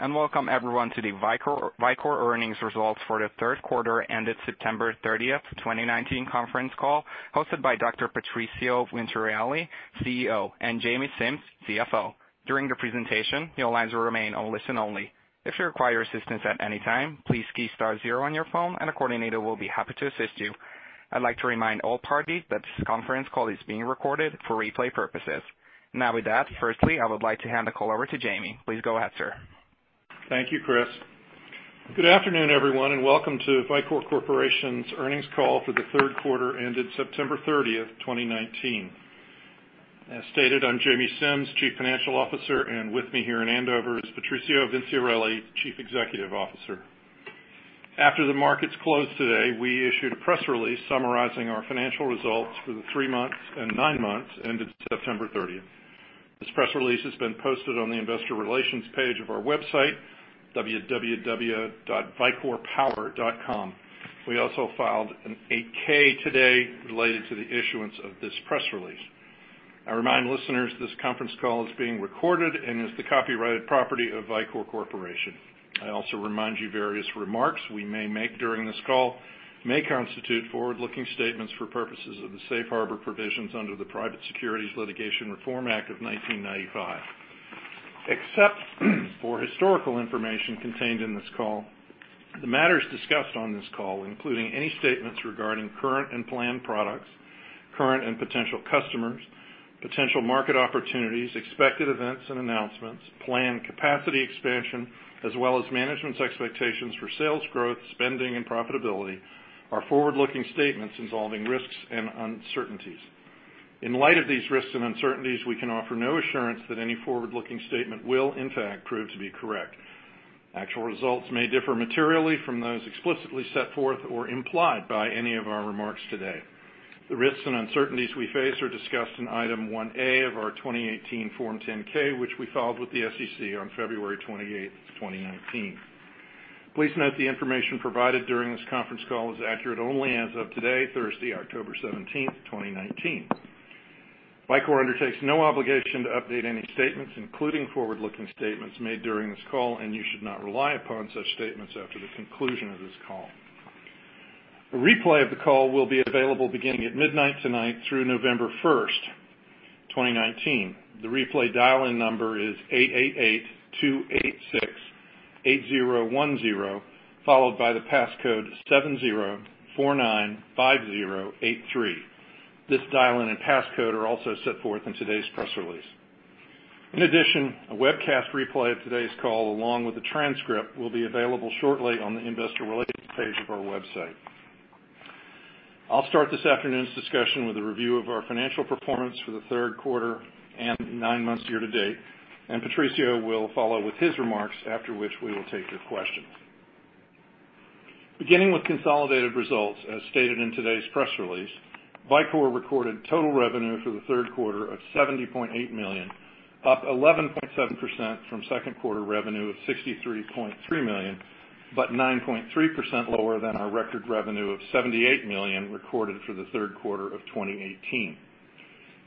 Welcome everyone to the Vicor earnings results for the third quarter ended September 30th, 2019 conference call hosted by Dr. Patrizio Vinciarelli, CEO, and James Simms, CFO. During the presentation, the lines will remain on listen only. If you require assistance at any time, please key star zero on your phone and a coordinator will be happy to assist you. I'd like to remind all parties that this conference call is being recorded for replay purposes. With that, firstly, I would like to hand the call over to Jamie. Please go ahead, sir. Thank you, Chris. Good afternoon, everyone, and welcome to Vicor Corporation's earnings call for the third quarter ended September 30th, 2019. As stated, I'm Jamie Simms, Chief Financial Officer, and with me here in Andover is Patrizio Vinciarelli, Chief Executive Officer. After the markets closed today, we issued a press release summarizing our financial results for the three months and nine months ended September 30th. This press release has been posted on the investor relations page of our website, www.vicorpower.com. We also filed an 8-K today related to the issuance of this press release. I remind listeners this conference call is being recorded and is the copyrighted property of Vicor Corporation. I also remind you various remarks we may make during this call may constitute forward-looking statements for purposes of the safe harbor provisions under the Private Securities Litigation Reform Act of 1995. Except for historical information contained in this call, the matters discussed on this call, including any statements regarding current and planned products, current and potential customers, potential market opportunities, expected events and announcements, planned capacity expansion, as well as management's expectations for sales growth, spending, and profitability are forward-looking statements involving risks and uncertainties. In light of these risks and uncertainties, we can offer no assurance that any forward-looking statement will in fact prove to be correct. Actual results may differ materially from those explicitly set forth or implied by any of our remarks today. The risks and uncertainties we face are discussed in Item 1A of our 2018 Form 10-K, which we filed with the SEC on February 28th, 2019. Please note the information provided during this conference call is accurate only as of today, Thursday, October 17th, 2019. Vicor undertakes no obligation to update any statements, including forward-looking statements made during this call, and you should not rely upon such statements after the conclusion of this call. A replay of the call will be available beginning at midnight tonight through November 1st, 2019. The replay dial-in number is 888-286-8010, followed by the passcode 70495083. This dial-in and passcode are also set forth in today's press release. In addition, a webcast replay of today's call along with a transcript will be available shortly on the investor relations page of our website. I'll start this afternoon's discussion with a review of our financial performance for the third quarter and nine months year to date, and Patrizio will follow with his remarks after which we will take your questions. Beginning with consolidated results as stated in today's press release, Vicor recorded total revenue for the third quarter of $70.8 million, up 11.7% from second quarter revenue of $63.3 million, but 9.3% lower than our record revenue of $78 million recorded for the third quarter of 2018.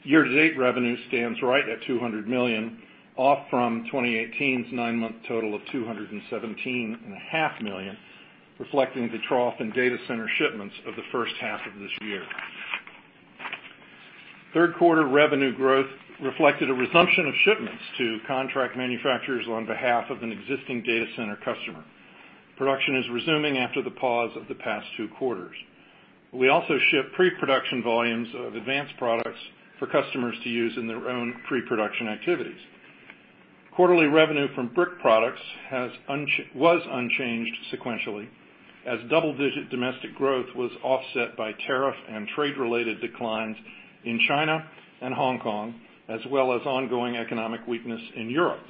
Year-to-date revenue stands right at $200 million, off from 2018's nine-month total of $217.5 million, reflecting the trough in data center shipments of the first half of this year. Third quarter revenue growth reflected a resumption of shipments to contract manufacturers on behalf of an existing data center customer. Production is resuming after the pause of the past two quarters. We also ship pre-production volumes of advanced products for customers to use in their own pre-production activities. Quarterly revenue from brick products was unchanged sequentially, as double-digit domestic growth was offset by tariff and trade-related declines in China and Hong Kong, as well as ongoing economic weakness in Europe.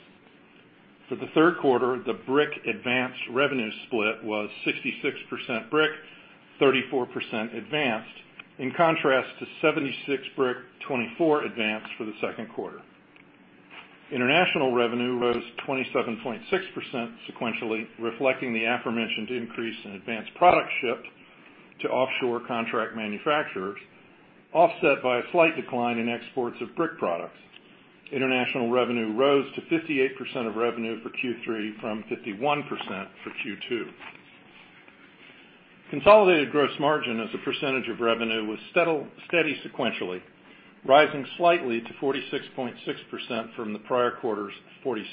For the third quarter, the brick advanced revenue split was 66% brick, 34% advanced, in contrast to 76% brick, 24% advanced for the second quarter. International revenue rose 27.6% sequentially, reflecting the aforementioned increase in advanced products shipped to offshore contract manufacturers, offset by a slight decline in exports of brick products. International revenue rose to 58% of revenue for Q3 from 51% for Q2. Consolidated gross margin as a percentage of revenue was steady sequentially, rising slightly to 46.6% from the prior quarter's 46%.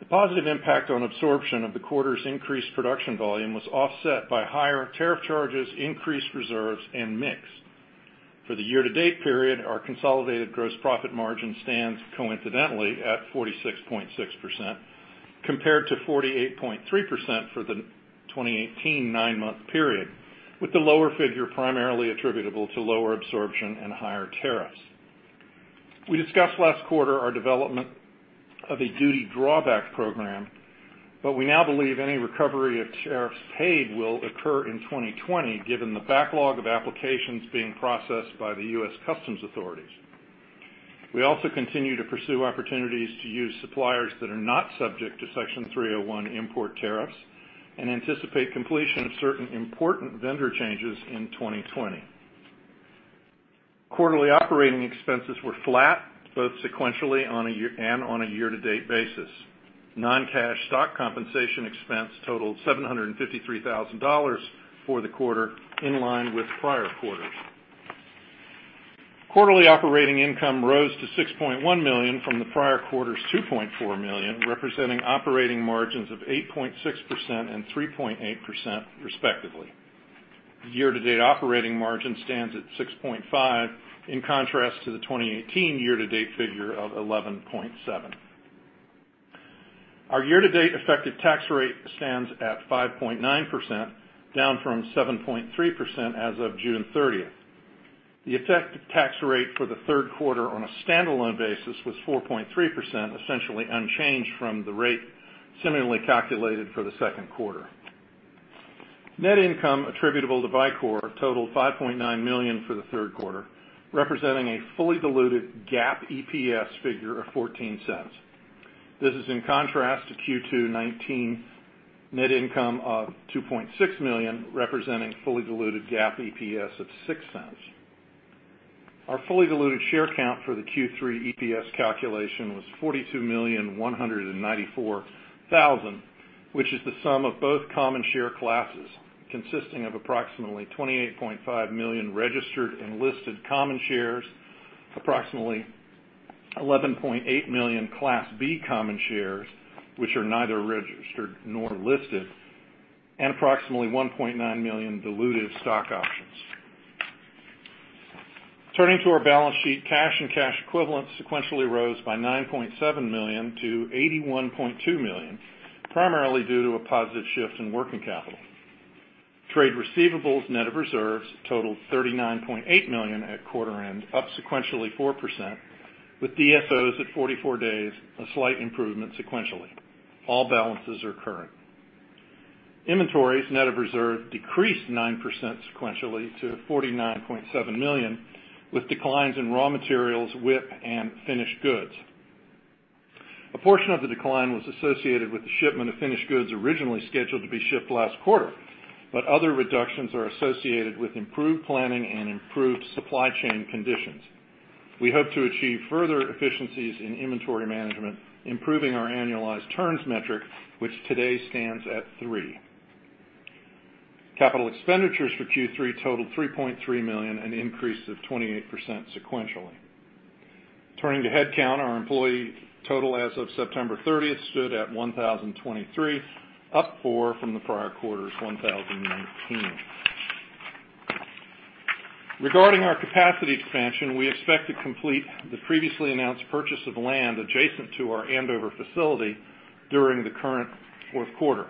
The positive impact on absorption of the quarter's increased production volume was offset by higher tariff charges, increased reserves, and mix. For the year-to-date period, our consolidated gross profit margin stands coincidentally at 46.6%, compared to 48.3% for the 2018 nine-month period, with the lower figure primarily attributable to lower absorption and higher tariffs. We discussed last quarter our development of a duty drawback program, but we now believe any recovery of tariffs paid will occur in 2020 given the backlog of applications being processed by the U.S. Customs authorities. We also continue to pursue opportunities to use suppliers that are not subject to Section 301 import tariffs and anticipate completion of certain important vendor changes in 2020. Quarterly operating expenses were flat both sequentially and on a year-to-date basis. Non-cash stock compensation expense totaled $753,000 for the quarter, in line with prior quarters. Quarterly operating income rose to $6.1 million from the prior quarter's $2.4 million, representing operating margins of 8.6% and 3.8%, respectively. Year-to-date operating margin stands at 6.5%, in contrast to the 2018 year-to-date figure of 11.7%. Our year-to-date effective tax rate stands at 5.9%, down from 7.3% as of June 30th. The effective tax rate for the third quarter on a standalone basis was 4.3%, essentially unchanged from the rate similarly calculated for the second quarter. Net income attributable to Vicor totaled $5.9 million for the third quarter, representing a fully diluted GAAP EPS figure of $0.14. This is in contrast to Q2 2019 net income of $2.6 million, representing fully diluted GAAP EPS of $0.06. Our fully diluted share count for the Q3 EPS calculation was 42,194,000, which is the sum of both common share classes, consisting of approximately 28.5 million registered and listed common shares, approximately 11.8 million Class B common shares, which are neither registered nor listed, and approximately 1.9 million diluted stock options. Turning to our balance sheet, cash and cash equivalents sequentially rose by $9.7 million to $81.2 million, primarily due to a positive shift in working capital. Trade receivables net of reserves totaled $39.8 million at quarter end, up sequentially 4%, with DSOs at 44 days, a slight improvement sequentially. All balances are current. Inventories net of reserve decreased 9% sequentially to $49.7 million, with declines in raw materials, WIP, and finished goods. A portion of the decline was associated with the shipment of finished goods originally scheduled to be shipped last quarter, but other reductions are associated with improved planning and improved supply chain conditions. We hope to achieve further efficiencies in inventory management, improving our annualized turns metric, which today stands at three. Capital expenditures for Q3 totaled $3.3 million, an increase of 28% sequentially. Turning to headcount, our employee total as of September 30th stood at 1,023, up four from the prior quarter's 1,019. Regarding our capacity expansion, we expect to complete the previously announced purchase of land adjacent to our Andover facility during the current fourth quarter.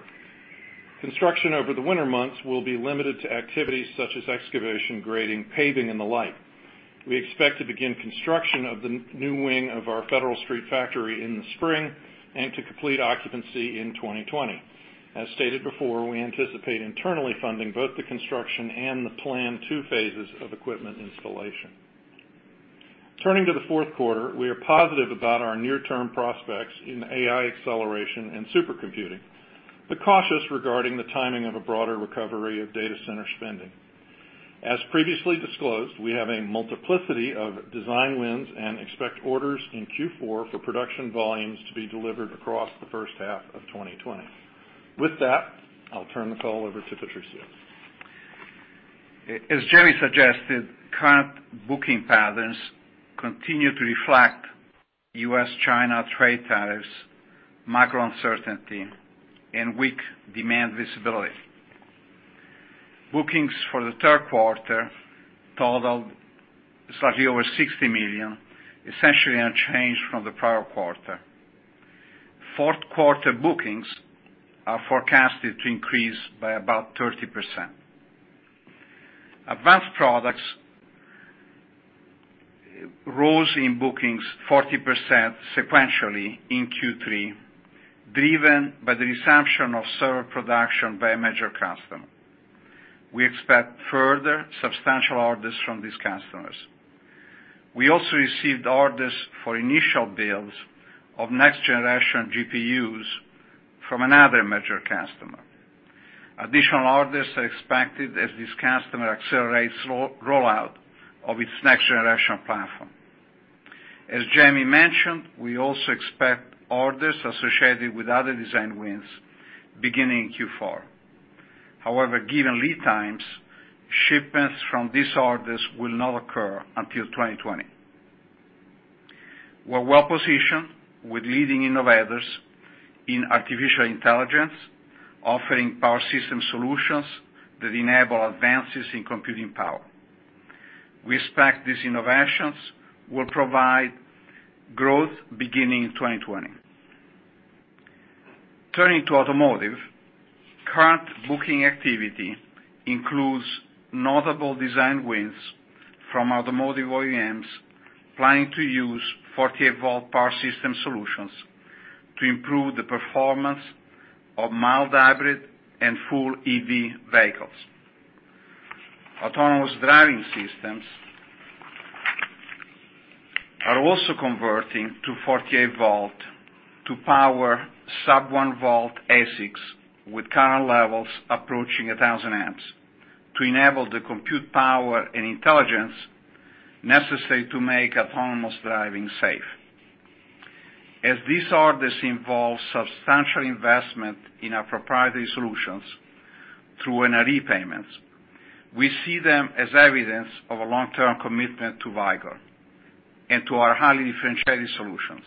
Construction over the winter months will be limited to activities such as excavation, grading, paving, and the like. We expect to begin construction of the new wing of our Federal Street factory in the spring and to complete occupancy in 2020. As stated before, we anticipate internally funding both the construction and the planned two phases of equipment installation. Turning to the fourth quarter, we are positive about our near-term prospects in AI acceleration and supercomputing, but cautious regarding the timing of a broader recovery of data center spending. As previously disclosed, we have a multiplicity of design wins and expect orders in Q4 for production volumes to be delivered across the first half of 2020. With that, I'll turn the call over to Patrizio. As Jamie suggested, current booking patterns continue to reflect U.S.-China trade tariffs, macro uncertainty, and weak demand visibility. Bookings for the third quarter totaled slightly over $60 million, essentially unchanged from the prior quarter. Fourth quarter bookings are forecasted to increase by about 30%. Advanced products rose in bookings 40% sequentially in Q3, driven by the resumption of server production by a major customer. We expect further substantial orders from these customers. We also received orders for initial builds of next-generation GPUs from another major customer. Additional orders are expected as this customer accelerates rollout of its next-generation platform. As Jamie mentioned, we also expect orders associated with other design wins beginning in Q4. However, given lead times, shipments from these orders will not occur until 2020. We're well-positioned with leading innovators in artificial intelligence, offering power system solutions that enable advances in computing power. We expect these innovations will provide growth beginning in 2020. Turning to automotive, current booking activity includes notable design wins from automotive OEMs planning to use 48-volt power system solutions to improve the performance of mild hybrid and full EV vehicles. Autonomous driving systems are also converting to 48-volt to power sub one volt ASICs with current levels approaching 1,000 amps to enable the compute power and intelligence necessary to make autonomous driving safe. As these orders involve substantial investment in our proprietary solutions through NRE payments, we see them as evidence of a long-term commitment to Vicor and to our highly differentiated solutions.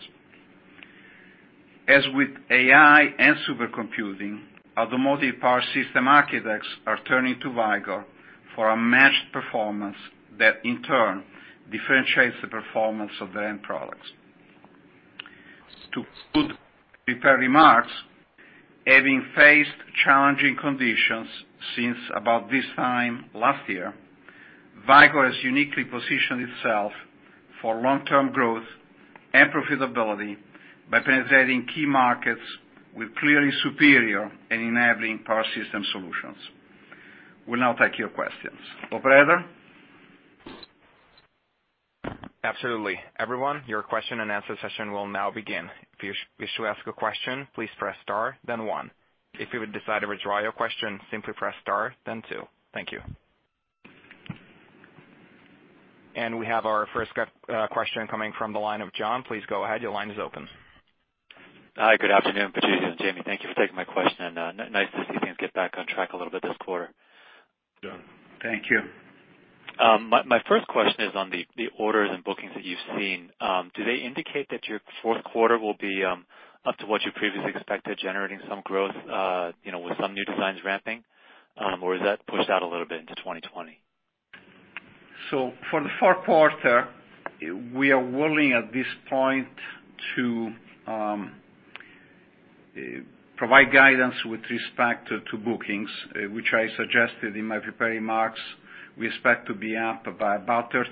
As with AI and supercomputing, automotive power system architects are turning to Vicor for a matched performance that in turn differentiates the performance of their end products. To conclude prepared remarks, having faced challenging conditions since about this time last year, Vicor has uniquely positioned itself for long-term growth and profitability by penetrating key markets with clearly superior and enabling power system solutions. We'll now take your questions. Operator? Absolutely. Everyone, your question and answer session will now begin. If you wish to ask a question, please press star then one. If you would decide to withdraw your question, simply press star then two. Thank you. We have our first question coming from the line of John. Please go ahead. Your line is open. Hi, good afternoon, Patrizio and Jamie. Thank you for taking my question. Nice to see things get back on track a little bit this quarter. Thank you. My first question is on the orders and bookings that you've seen. Do they indicate that your fourth quarter will be up to what you previously expected, generating some growth, with some new designs ramping? Is that pushed out a little bit into 2020? For the fourth quarter, we are willing at this point to provide guidance with respect to bookings, which I suggested in my prepared remarks. We expect to be up by about 30%,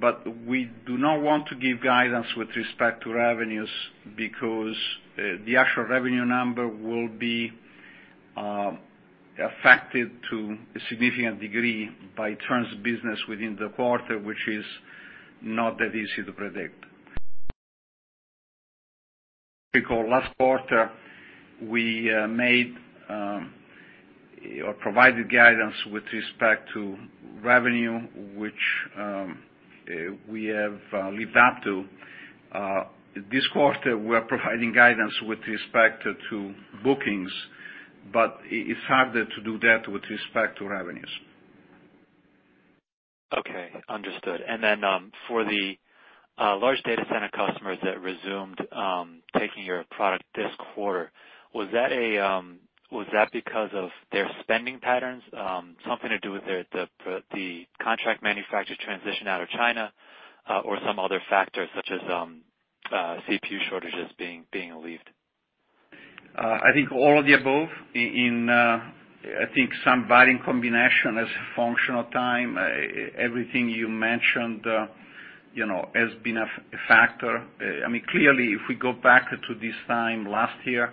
but we do not want to give guidance with respect to revenues, because the actual revenue number will be affected to a significant degree by terms of business within the quarter, which is not that easy to predict. Last quarter, we made or provided guidance with respect to revenue, which we have lived up to. This quarter, we're providing guidance with respect to bookings, but it's harder to do that with respect to revenues. Okay. Understood. For the large data center customers that resumed taking your product this quarter, was that because of their spending patterns, something to do with the contract manufacture transition out of China, or some other factors such as CPU shortages being relieved? I think all of the above in, I think, some varying combination as a function of time. Everything you mentioned has been a factor. Clearly, if we go back to this time last year,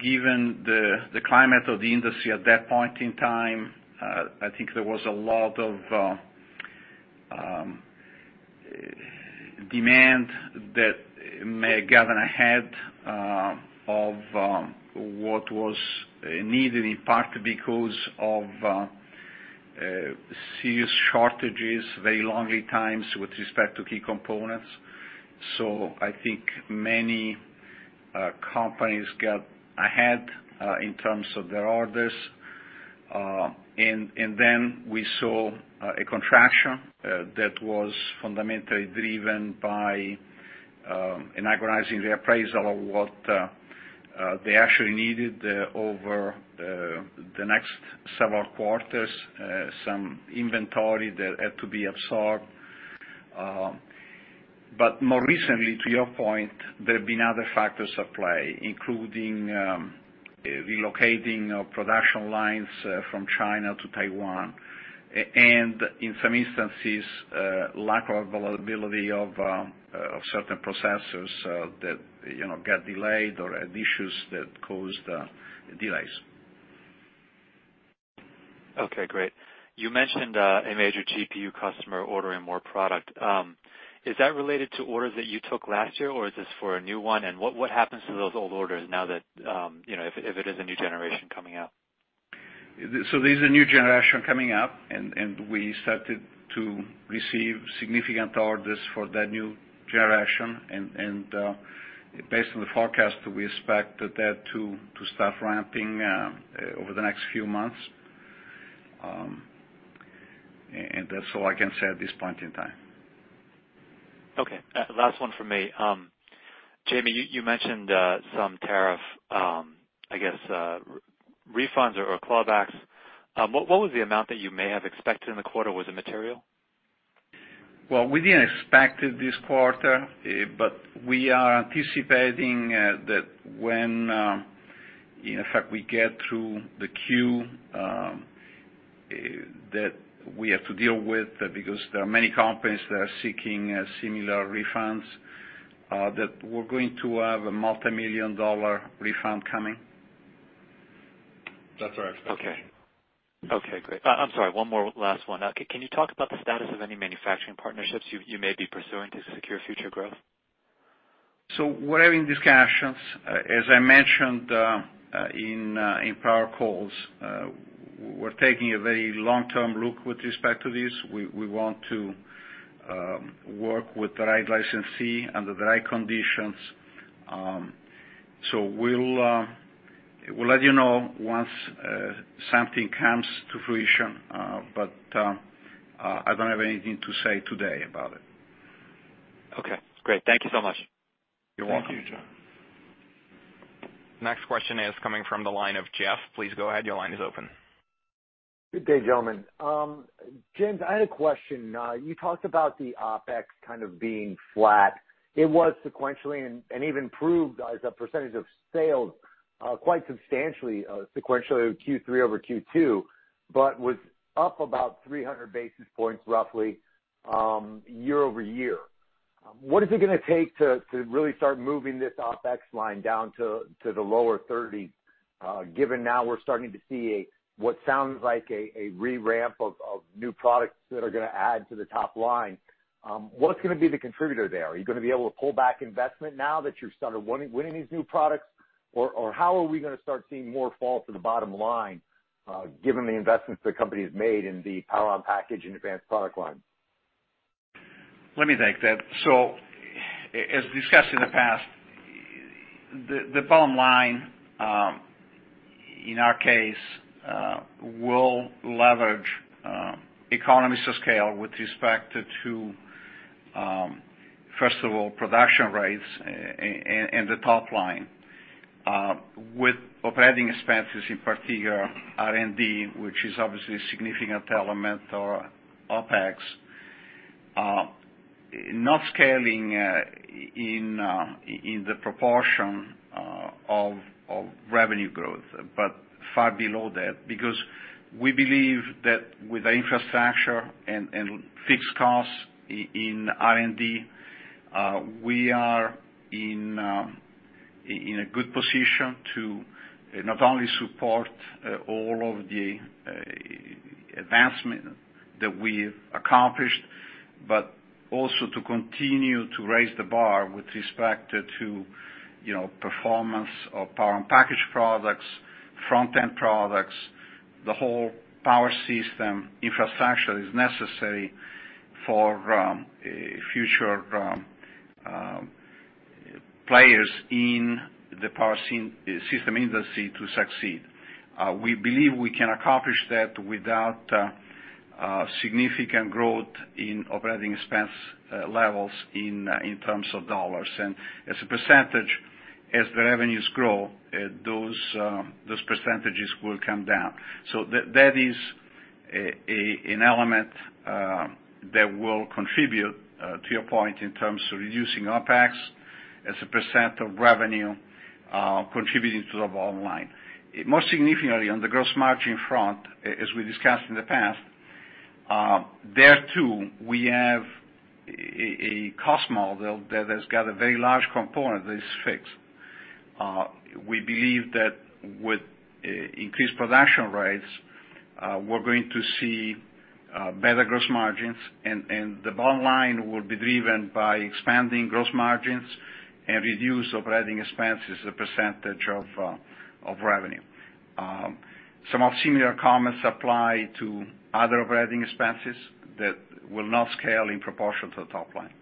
given the climate of the industry at that point in time, I think there was a lot of demand that may have gotten ahead of what was needed, in part because of serious shortages, very long lead times with respect to key components. I think many companies got ahead in terms of their orders. We saw a contraction that was fundamentally driven by an agonizing reappraisal of what they actually needed over the next several quarters, some inventory that had to be absorbed. More recently, to your point, there have been other factors at play, including relocating production lines from China to Taiwan, and in some instances, lack of availability of certain processors that got delayed or had issues that caused delays. Okay, great. You mentioned a major GPU customer ordering more product. Is that related to orders that you took last year, or is this for a new one? What happens to those old orders now that if it is a new generation coming out? There's a new generation coming up, and we started to receive significant orders for that new generation. Based on the forecast, we expect that to start ramping over the next few months. That's all I can say at this point in time. Okay. Last one from me. Jamie, you mentioned some tariff, I guess, refunds or clawbacks. What was the amount that you may have expected in the quarter? Was it material? Well, we didn't expect it this quarter, but we are anticipating that when in fact we get through the queue that we have to deal with, because there are many companies that are seeking similar refunds, that we're going to have a multimillion-dollar refund coming. That's our expectation. Okay, great. I'm sorry, one more last one. Can you talk about the status of any manufacturing partnerships you may be pursuing to secure future growth? We're having discussions. As I mentioned in prior calls, we're taking a very long-term look with respect to this. We want to work with the right licensee under the right conditions. We'll let you know once something comes to fruition, but I don't have anything to say today about it. Okay, great. Thank you so much. You're welcome. Thank you, John. Next question is coming from the line of Jeff. Please go ahead. Your line is open. Good day, gentlemen. James, I had a question. You talked about the OpEx kind of being flat. It was sequentially and even proved as a percentage of sales, quite substantially sequentially with Q3 over Q2, but was up about 300 basis points roughly, year-over-year. What is it going to take to really start moving this OpEx line down to the lower 30, given now we're starting to see what sounds like a re-ramp of new products that are going to add to the top line? What's going to be the contributor there? Are you going to be able to pull back investment now that you've started winning these new products? Or how are we going to start seeing more fall to the bottom line, given the investments the company's made in the Power-on-Package and advanced product line? Let me take that. As discussed in the past, the bottom line, in our case, will leverage economies of scale with respect to, first of all, production rates and the top line, with operating expenses, in particular, R&D, which is obviously a significant element of OpEx, not scaling in the proportion of revenue growth, but far below that, because we believe that with the infrastructure and fixed costs in R&D, we are in a good position to not only support all of the advancement that we've accomplished, but also to continue to raise the bar with respect to performance of Power-on-Package products, front-end products, the whole power system infrastructure is necessary for future players in the power system industry to succeed. We believe we can accomplish that without significant growth in operating expense levels in terms of dollars. As a percentage, as the revenues grow, those percentages will come down. That is an element that will contribute to your point in terms of reducing OpEx as a % of revenue, contributing to the bottom line. Most significantly, on the gross margin front, as we discussed in the past, there, too, we have a cost model that has got a very large component that is fixed. We believe that with increased production rates, we're going to see better gross margins, the bottom line will be driven by expanding gross margins and reduce operating expenses as a % of revenue. Some of similar comments apply to other operating expenses that will not scale in proportion to the top line.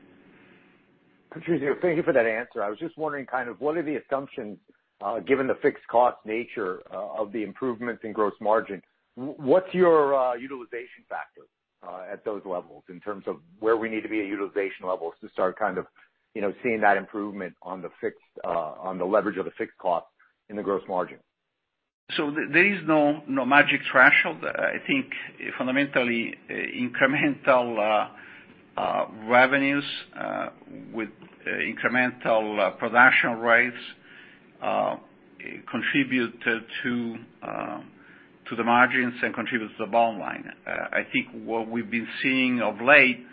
Patrizio, thank you for that answer. I was just wondering, what are the assumptions, given the fixed cost nature of the improvements in gross margin, what's your utilization factor at those levels in terms of where we need to be at utilization levels to start kind of seeing that improvement on the leverage of the fixed cost in the gross margin? There is no magic threshold. I think fundamentally, incremental revenues with incremental production rates contribute to the margins and contributes to the bottom line. I think what we've been seeing of late,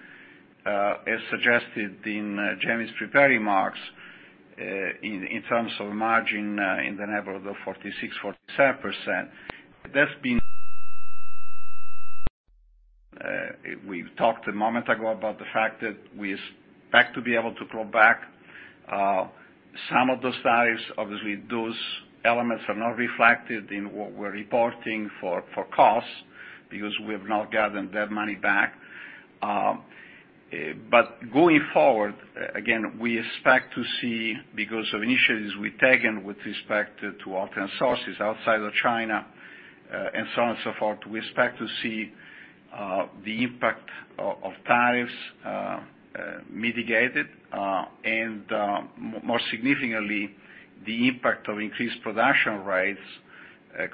as suggested in Jamie's preparing remarks, in terms of margin in the neighborhood of 46%-47%. We've talked a moment ago about the fact that we expect to be able to pull back some of those tariffs. Obviously, those elements are not reflected in what we're reporting for costs because we have not gotten that money back. Going forward, again, we expect to see, because of initiatives we've taken with respect to alternate sources outside of China, and so on and so forth, we expect to see the impact of tariffs mitigated. More significantly, the impact of increased production rates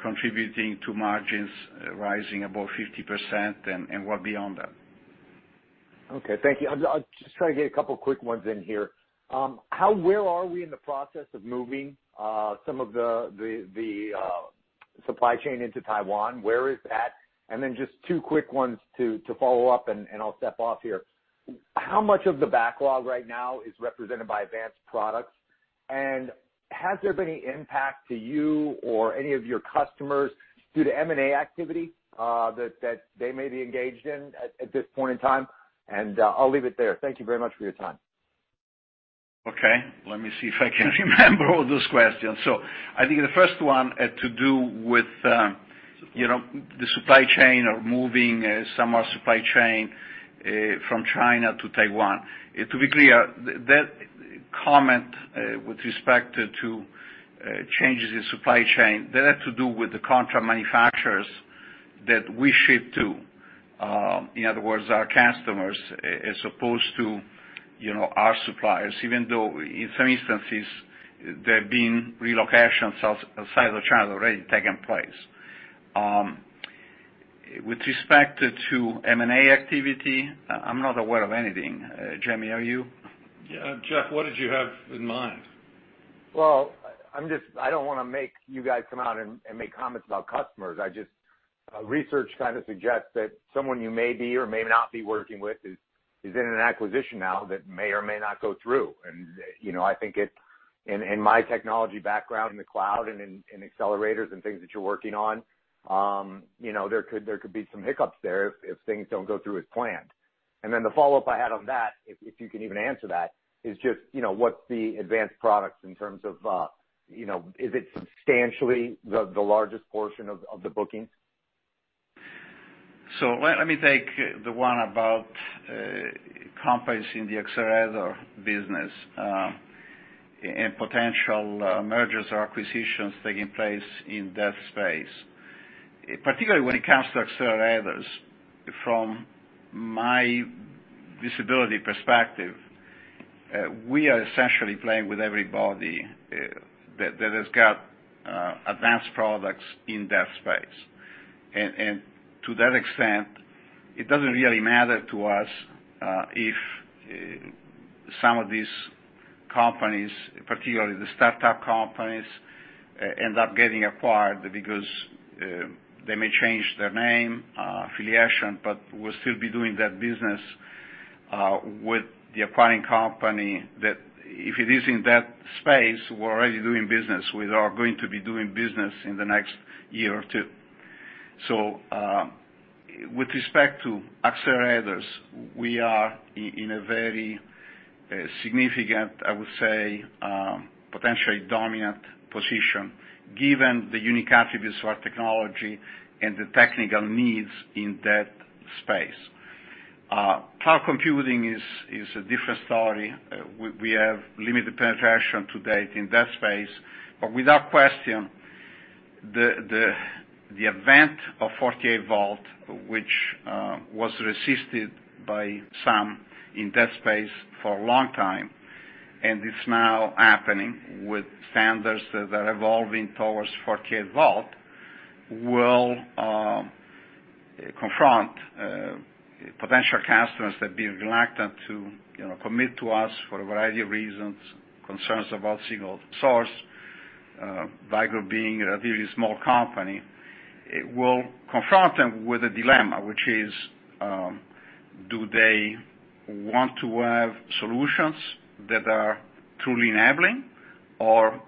contributing to margins rising above 50% and more beyond that. Okay. Thank you. I'll just try to get a couple of quick ones in here. Where are we in the process of moving some of the supply chain into Taiwan? Where is that? Just two quick ones to follow up, and I'll step off here. How much of the backlog right now is represented by advanced products? Has there been any impact to you or any of your customers due to M&A activity that they may be engaged in at this point in time? I'll leave it there. Thank you very much for your time. Okay. Let me see if I can remember all those questions. I think the first one had to do with the supply chain or moving some of our supply chain from China to Taiwan. To be clear, that comment with respect to changes in supply chain, that had to do with the contract manufacturers that we ship to. In other words, our customers, as opposed to our suppliers, even though in some instances, there have been relocations outside of China already taking place. With respect to M&A activity, I'm not aware of anything. Jamie, are you? Yeah. Jeff, what did you have in mind? Well, I don't want to make you guys come out and make comments about customers. Research kind of suggests that someone you may be or may not be working with is in an acquisition now that may or may not go through. I think in my technology background in the cloud and in accelerators and things that you're working on, there could be some hiccups there if things don't go through as planned. The follow-up I had on that, if you can even answer that, is just what's the advanced products in terms of, is it substantially the largest portion of the bookings? Let me take the one about companies in the accelerator business, and potential mergers or acquisitions taking place in that space. Particularly when it comes to accelerators, from my visibility perspective, we are essentially playing with everybody that has got advanced products in that space. To that extent, it doesn't really matter to us if some of these companies, particularly the startup companies, end up getting acquired because they may change their name, affiliation, but we'll still be doing that business with the acquiring company, that if it is in that space, we're already doing business with or going to be doing business in the next year or two. With respect to accelerators, we are in a very significant, I would say, potentially dominant position given the unique attributes of our technology and the technical needs in that space. Cloud computing is a different story. We have limited penetration to date in that space. Without question, the advent of 48 volt, which was resisted by some in that space for a long time, and it's now happening with standards that are evolving towards 48 volt, will confront potential customers that have been reluctant to commit to us for a variety of reasons, concerns about single source, Vicor being a very small company. It will confront them with a dilemma, which is, do they want to have solutions that are truly enabling or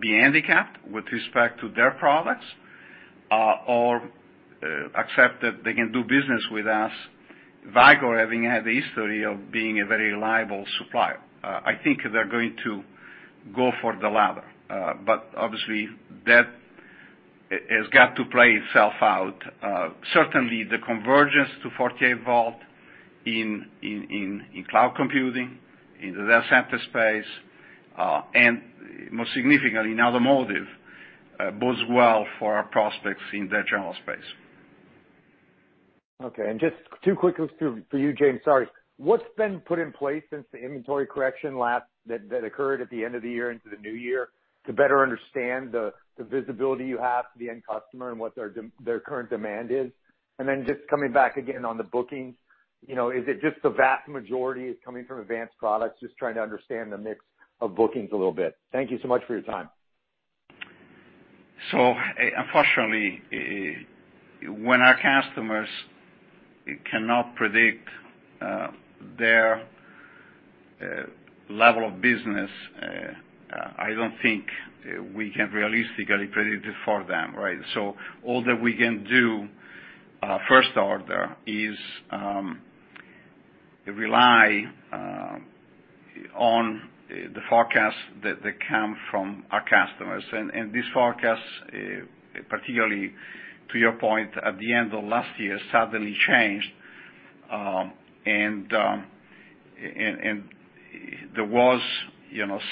be handicapped with respect to their products, or accept that they can do business with us, Vicor, having had the history of being a very reliable supplier. I think they're going to go for the latter. Obviously, that has got to play itself out. Certainly, the convergence to 48 volt in cloud computing, in the data center space, and most significantly in automotive, bodes well for our prospects in that general space. Okay. Just two quick ones for you, James, sorry. What's been put in place since the inventory correction that occurred at the end of the year into the new year to better understand the visibility you have to the end customer and what their current demand is? Just coming back again on the bookings, is it just the vast majority is coming from advanced products? Just trying to understand the mix of bookings a little bit. Thank you so much for your time. Unfortunately, when our customers cannot predict their level of business, I don't think we can realistically predict it for them, right? These forecasts, particularly to your point, at the end of last year, suddenly changed. There was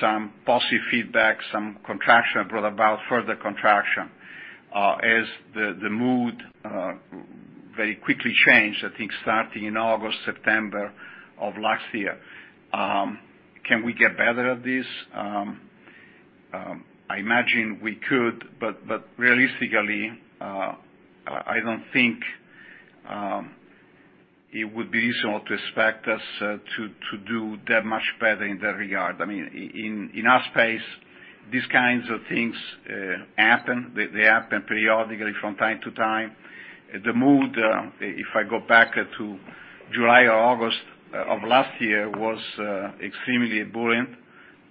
some positive feedback, some contraction that brought about further contraction as the mood very quickly changed, I think, starting in August, September of last year. Can we get better at this? I imagine we could, but realistically, I don't think it would be reasonable to expect us to do that much better in that regard. I mean, in our space. These kinds of things happen. They happen periodically from time to time. The mood, if I go back to July or August of last year, was extremely buoyant.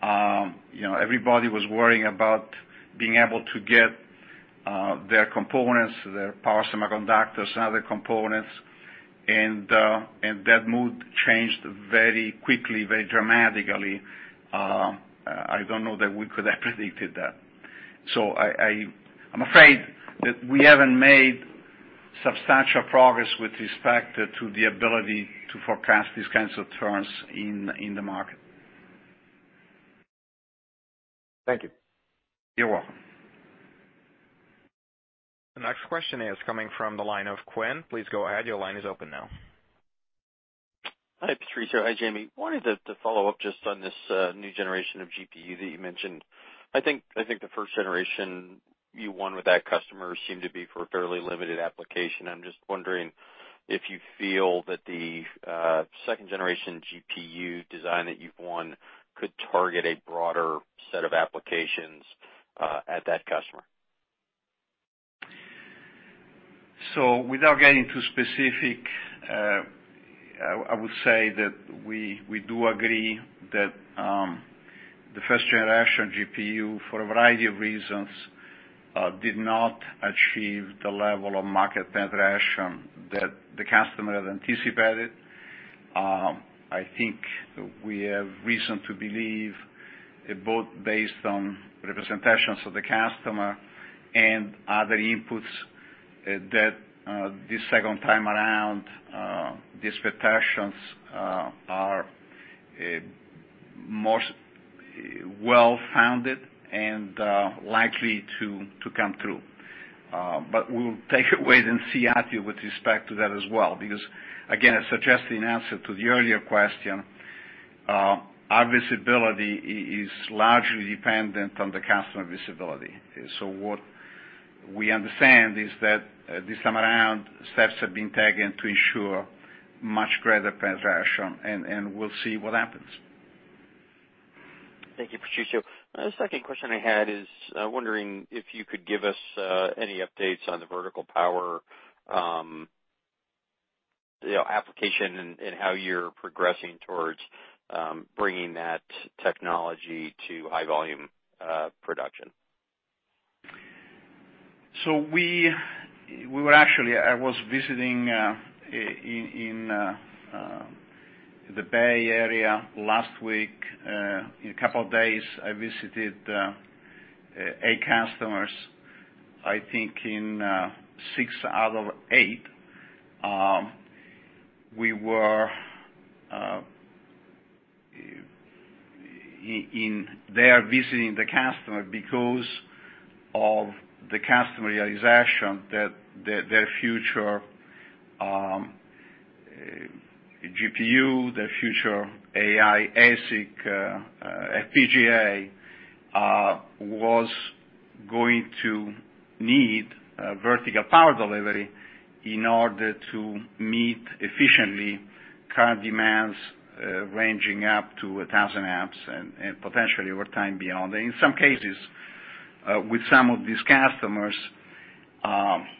Everybody was worrying about being able to get their components, their power semiconductors, and other components. That mood changed very quickly, very dramatically. I don't know that we could have predicted that. I'm afraid that we haven't made substantial progress with respect to the ability to forecast these kinds of trends in the market. Thank you. You're welcome. The next question is coming from the line of Quinn. Please go ahead. Your line is open now. Hi, Patrizio. Hi, James. Wanted to follow up just on this new generation of GPU that you mentioned. I think the first generation you won with that customer seemed to be for a fairly limited application. I'm just wondering if you feel that the second generation GPU design that you've won could target a broader set of applications at that customer. Without getting too specific, I would say that we do agree that the first generation GPU, for a variety of reasons, did not achieve the level of market penetration that the customer had anticipated. I think we have reason to believe, both based on representations of the customer and other inputs, that this second time around, the expectations are most well-founded and likely to come through. We'll take a wait and see attitude with respect to that as well, because again, I suggest in answer to the earlier question, our visibility is largely dependent on the customer visibility. What we understand is that this time around, steps have been taken to ensure much greater penetration, and we'll see what happens. Thank you, Patrizio. The second question I had is, wondering if you could give us any updates on the vertical power application and how you're progressing towards bringing that technology to high volume production. We were actually, I was visiting in the Bay Area last week. In a couple of days, I visited eight customers. I think in six out of eight, we were in there visiting the customer because of the customer realization that their future GPU, their future AI ASIC, FPGA, was going to need vertical power delivery in order to meet efficiently current demands ranging up to 1,000 amps and potentially over time, beyond. In some cases, with some of these customers,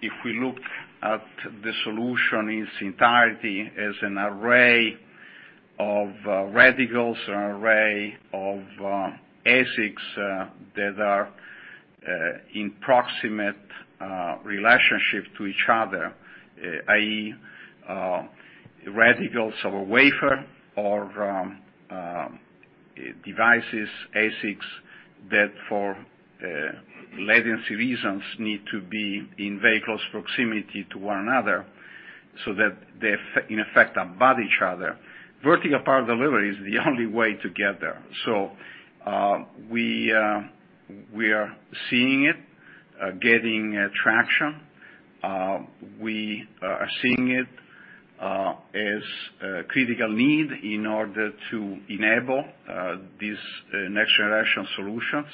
if we looked at the solution in its entirety as an array of reticles, an array of ASICs that are in proximate relationship to each other, i.e., reticles of a wafer or devices, ASICs, that for latency reasons need to be in very close proximity to one another so that they in effect are above each other. Vertical power delivery is the only way to get there. We are seeing it, getting traction. We are seeing it as a critical need in order to enable these next generation solutions.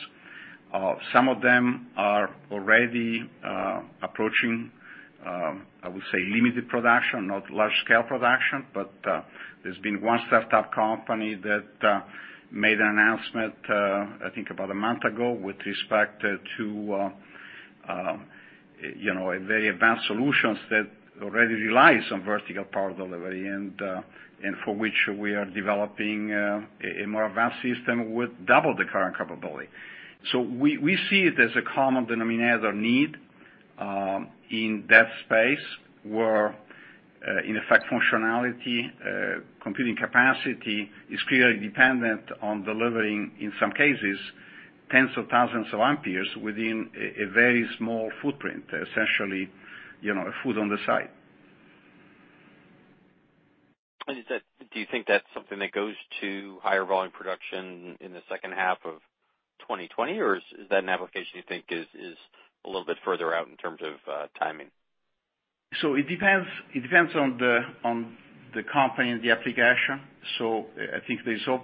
Some of them are already approaching, I would say, limited production, not large-scale production, but there's been 1 startup company that made an announcement, I think about a month ago, with respect to very advanced solutions that already relies on vertical power delivery, and for which we are developing a more advanced system with double the current capability. We see it as a common denominator need in that space where, in effect, functionality, computing capacity is clearly dependent on delivering, in some cases, tens of thousands of amperes within a very small footprint, essentially, a foot on the side. Do you think that's something that goes to higher volume production in the second half of 2020, or is that an application you think is a little bit further out in terms of timing? It depends on the company and the application. I think there's hope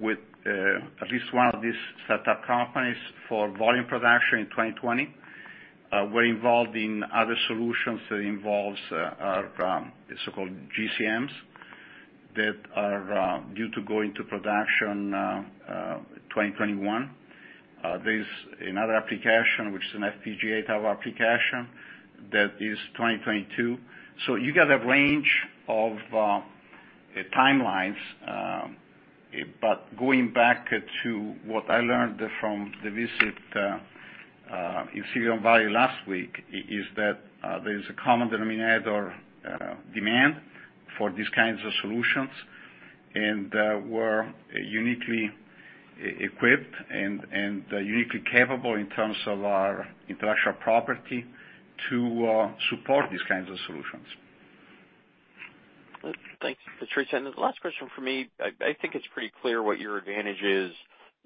with at least one of these startup companies for volume production in 2020. We're involved in other solutions that involves our so-called GCMs that are due to go into production 2021. There's another application, which is an FPGA type of application that is 2022. You get a range of timelines. Going back to what I learned from the visit in Silicon Valley last week, is that there is a common denominator demand for these kinds of solutions, and we're uniquely equipped and uniquely capable in terms of our intellectual property to support these kinds of solutions. Thanks, Patrizio. The last question from me, I think it's pretty clear what your advantage is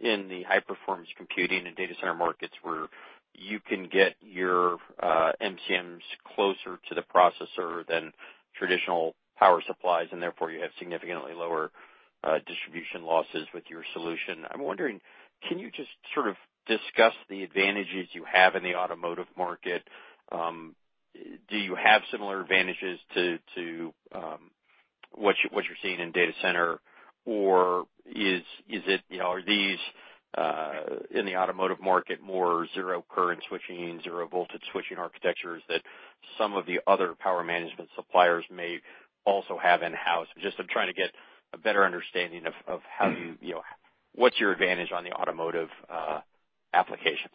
in the high-performance computing and data center markets, where you can get your MCMs closer to the processor than traditional power supplies, and therefore, you have significantly lower distribution losses with your solution. I'm wondering, can you just sort of discuss the advantages you have in the automotive market? Do you have similar advantages to what you're seeing in data center? Are these in the automotive market, more zero current switching, zero voltage switching architectures that some of the other power management suppliers may also have in-house? Just I'm trying to get a better understanding of what's your advantage on the automotive applications.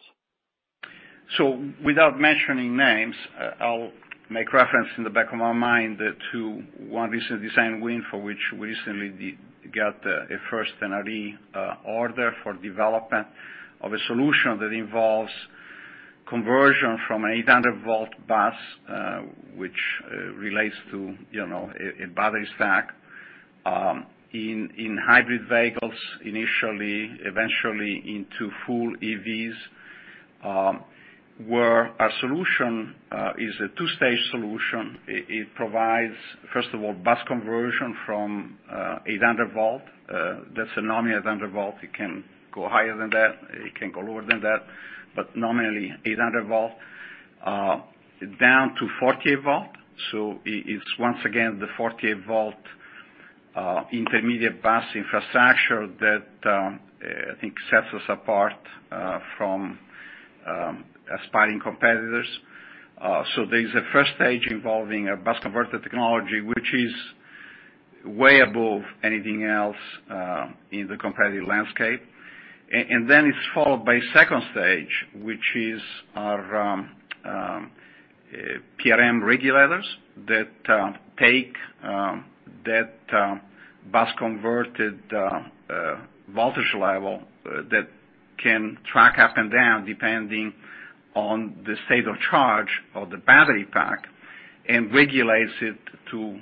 Without mentioning names, I'll make reference in the back of my mind to one recent design win for which we recently got a first NRE order for development of a solution that involves conversion from an 800-volt bus, which relates to a battery stack, in hybrid vehicles initially, eventually into full EVs, where our solution is a 2-stage solution. It provides, first of all, bus conversion from 800 V. That's a nominal 800 V. It can go higher than that, it can go lower than that, but nominally 800 V, down to 40 V. It's once again the 40-volt intermediate bus infrastructure that I think sets us apart from aspiring competitors. There's a first stage involving a Bus Converter technology, which is way above anything else in the competitive landscape. Then it's followed by 2 stage, which is our PRM regulators that take that BUS converted voltage level that can track up and down depending on the state of charge of the battery pack, and regulates it to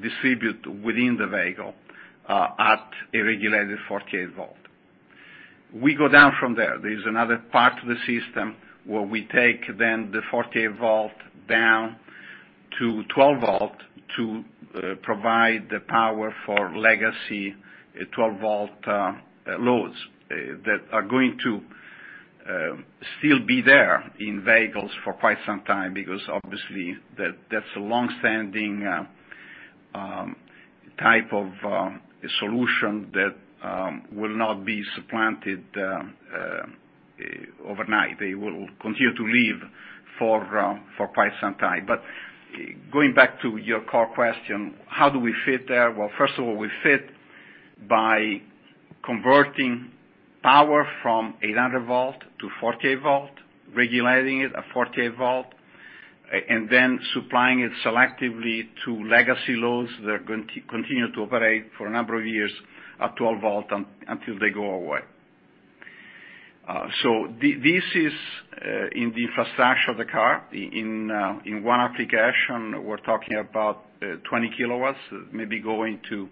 distribute within the vehicle at a regulated 48 volt. We go down from there. There is another part to the system where we take the 48 volt down to 12 volt to provide the power for legacy 12-volt loads that are going to still be there in vehicles for quite some time, because obviously that's a longstanding type of solution that will not be supplanted overnight. They will continue to live for quite some time. Going back to your core question, how do we fit there? First of all, we fit by converting power from 800 V to 40 V, regulating it at 40 V, and then supplying it selectively to legacy loads that are going to continue to operate for a number of years at 12 V until they go away. This is in the infrastructure of the car. In one application, we're talking about 20 kW, maybe going to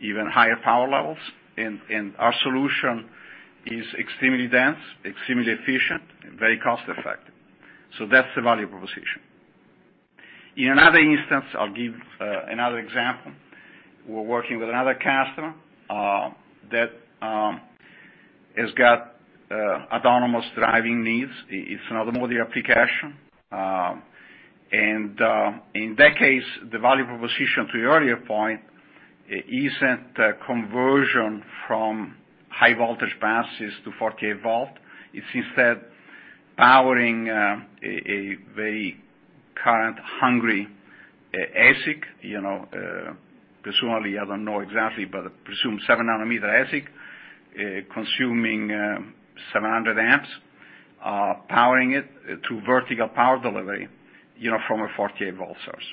even higher power levels. Our solution is extremely dense, extremely efficient, and very cost-effective. That's the value proposition. In another instance, I'll give another example. We're working with another customer that has got autonomous driving needs. It's another modular application. In that case, the value proposition to your earlier point, isn't a conversion from high voltage buses to 40 V. It's instead powering a very current hungry ASIC. Personally, I don't know exactly, but I presume seven nanometer ASIC, consuming 700 amps, powering it through vertical power delivery from a 40-volt source.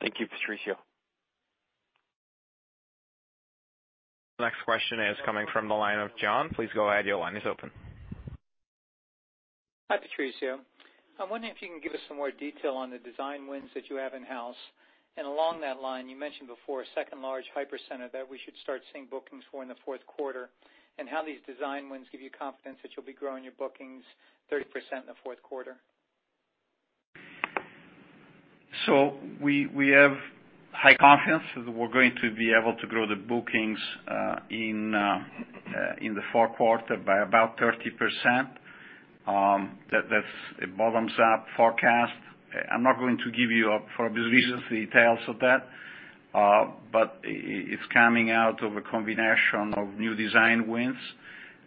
Thank you, Patrizio. Next question is coming from the line of John. Please go ahead, your line is open. Hi, Patrizio. I'm wondering if you can give us some more detail on the design wins that you have in-house. Along that line, you mentioned before a 2 large hyper center that we should start seeing bookings for in the fourth quarter, and how these design wins give you confidence that you'll be growing your bookings 30% in the fourth quarter. We have high confidence that we're going to be able to grow the bookings in the fourth quarter by about 30%. That's a bottoms-up forecast. I'm not going to give you, for obvious reasons, the details of that, but it's coming out of a combination of new design wins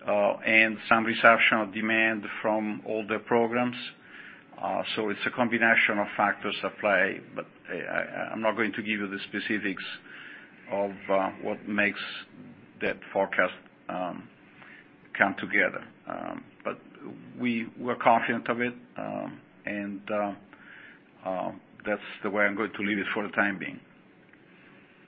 and some exceptional demand from older programs. It's a combination of factors at play, but I'm not going to give you the specifics of what makes that forecast come together. We're confident of it, and that's the way I'm going to leave it for the time being.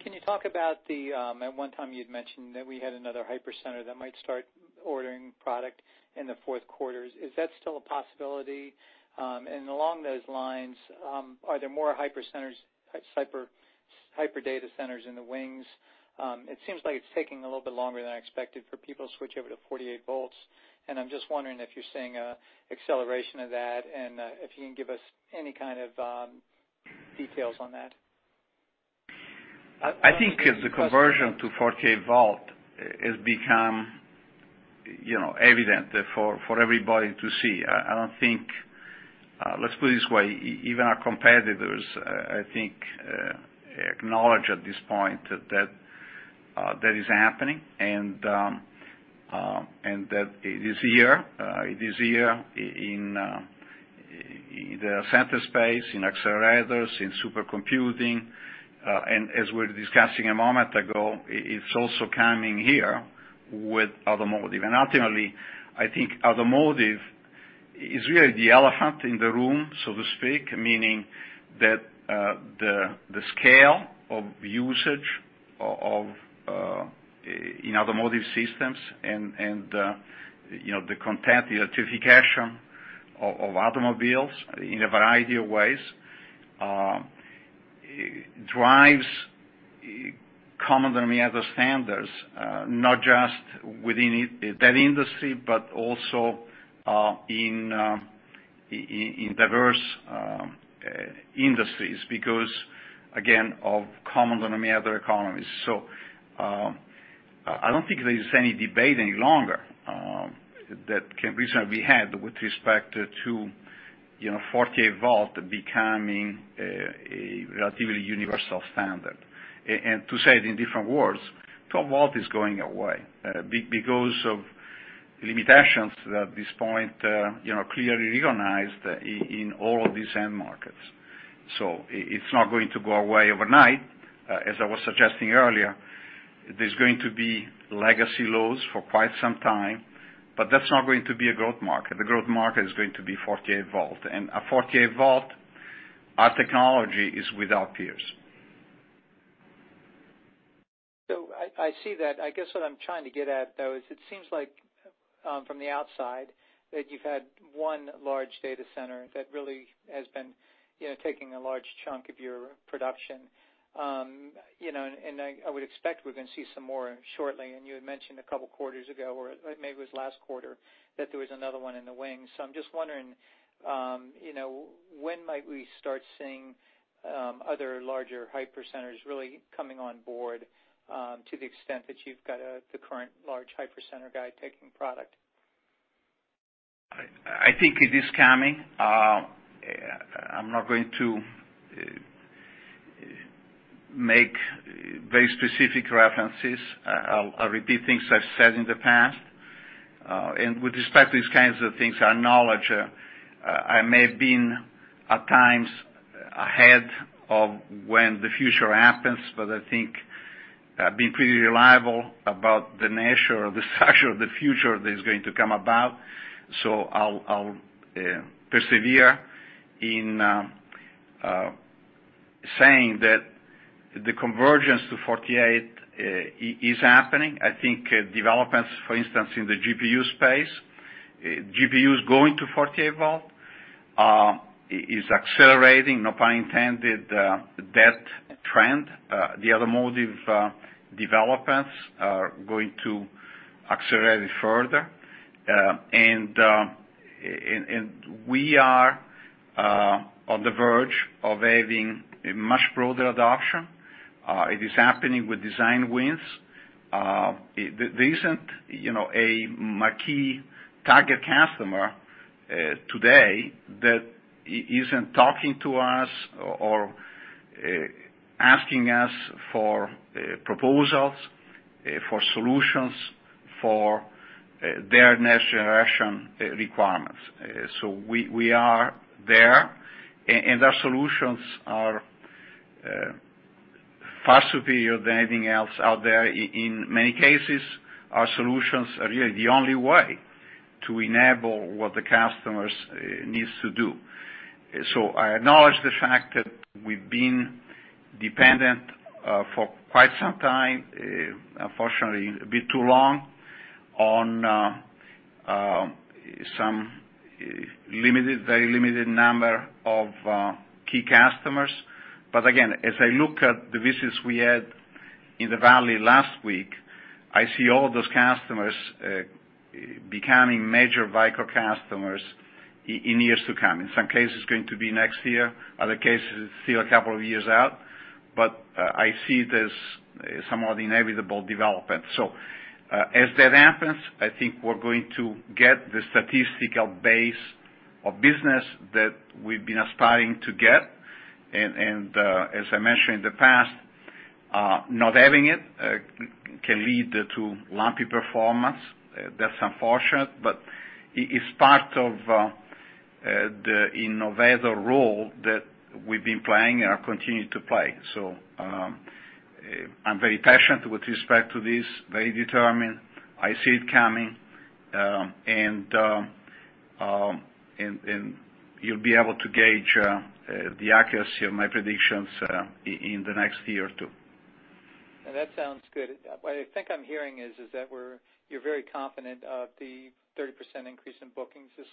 Can you talk about At one time you had mentioned that we had another hyperdatacenter that might start ordering product in the fourth quarter. Is that still a possibility? Along those lines, are there more hyperdatacenters in the wings? It seems like it's taking a little bit longer than expected for people to switch over to 48 volts, and I'm just wondering if you're seeing an acceleration of that and if you can give us any kind of details on that. I think the conversion to 48 volt has become evident for everybody to see. Let's put it this way, even our competitors, I think, acknowledge at this point that that is happening and that it is here. It is here in the center space, in accelerators, in supercomputing. As we were discussing a moment ago, it's also coming here with automotive. Ultimately, I think automotive is really the elephant in the room, so to speak, meaning that the scale of usage in automotive systems and the content electrification of automobiles in a variety of ways, drives common denominator standards, not just within that industry, but also in diverse industries, because, again, of common denominator economies. I don't think there is any debate any longer that can reasonably be had with respect to 48 volt becoming a relatively universal standard. To say it in different words, 12 volt is going away because of limitations that at this point are clearly recognized in all of these end markets. It's not going to go away overnight. As I was suggesting earlier, there's going to be legacy loads for quite some time, but that's not going to be a growth market. The growth market is going to be 48 volt, and at 48 volt, our technology is without peers. I see that. I guess what I'm trying to get at, though, is it seems like from the outside that you've had one large data center that really has been taking a large chunk of your production. I would expect we're going to see some more shortly, and you had mentioned a couple of quarters ago, or maybe it was last quarter, that there was another one in the wings. I'm just wondering when might we start seeing other larger hyperscalers really coming on board to the extent that you've got the current large hyperscaler guy taking product? I think it is coming. I'm not going to make very specific references. I'll repeat things I've said in the past. With respect to these kinds of things, I acknowledge I may have been at times ahead of when the future happens, but I think I've been pretty reliable about the nature of the future that is going to come about. I'll persevere in saying that the convergence to 48 is happening. I think developments, for instance, in the GPU space, GPU is going to 48 volt. It is accelerating, no pun intended, that trend. The automotive developments are going to accelerate it further. We are on the verge of having a much broader adoption. It is happening with design wins. There isn't a marquee target customer today that isn't talking to us or asking us for proposals, for solutions for their next generation requirements. We are there, and our solutions are far superior than anything else out there. In many cases, our solutions are really the only way to enable what the customers need to do. I acknowledge the fact that we've been dependent for quite some time, unfortunately a bit too long, on some very limited number of key customers. Again, as I look at the visits we had in the valley last week, I see all those customers becoming major Vicor customers in years to come. In some cases, it's going to be next year, other cases it's still a couple of years out, but I see it as somewhat inevitable development. As that happens, I think we're going to get the statistical base of business that we've been aspiring to get. As I mentioned in the past, not having it can lead to lumpy performance. That's unfortunate, but it is part of the innovator role that we've been playing and are continuing to play. I'm very patient with respect to this, very determined. I see it coming. You'll be able to gauge the accuracy of my predictions in the next year or two. That sounds good. What I think I'm hearing is that you're very confident of the 30% increase in bookings this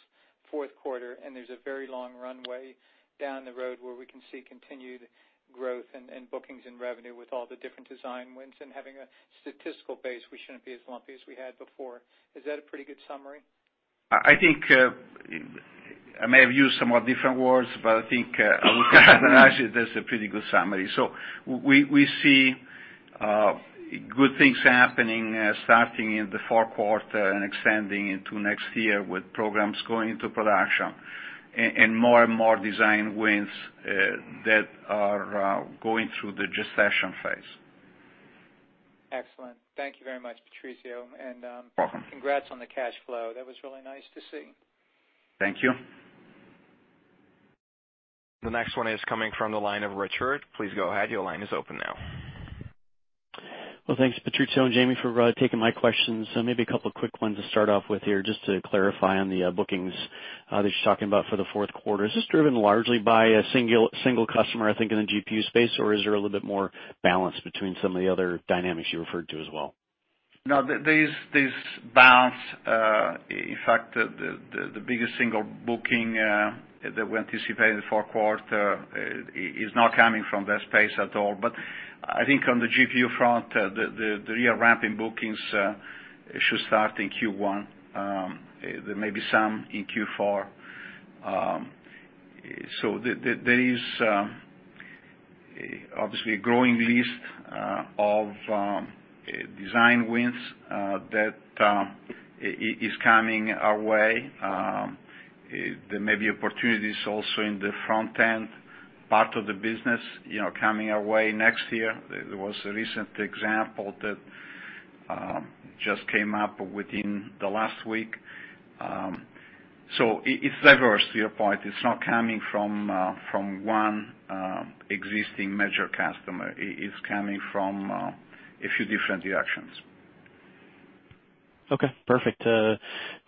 fourth quarter. There's a very long runway down the road where we can see continued growth in bookings and revenue with all the different design wins and having a statistical base, we shouldn't be as lumpy as we had before. Is that a pretty good summary? I think I may have used somewhat different words, but I think I would characterize it as a pretty good summary. We see good things happening, starting in the fourth quarter and extending into next year with programs going into production, and more and more design wins that are going through the gestation phase. Excellent. Thank you very much, Patrizio. Welcome. Congrats on the cash flow. That was really nice to see. Thank you. The next one is coming from the line of Richard. Please go ahead. Your line is open now. Well, thanks, Patrizio and Jamie for taking my questions. Maybe a couple of quick ones to start off with here, just to clarify on the bookings that you're talking about for the fourth quarter. Is this driven largely by a single customer, I think in the GPU space, or is there a little bit more balance between some of the other dynamics you referred to as well? No, there's balance. In fact, the biggest single booking that we anticipate in the fourth quarter is not coming from that space at all. I think on the GPU front, the real ramp in bookings should start in Q1. There may be some in Q4. There is obviously a growing list of design wins that is coming our way. There may be opportunities also in the front end part of the business coming our way next year. There was a recent example that just came up within the last week. It's diverse, to your point. It's not coming from one existing major customer. It's coming from a few different directions. Okay, perfect.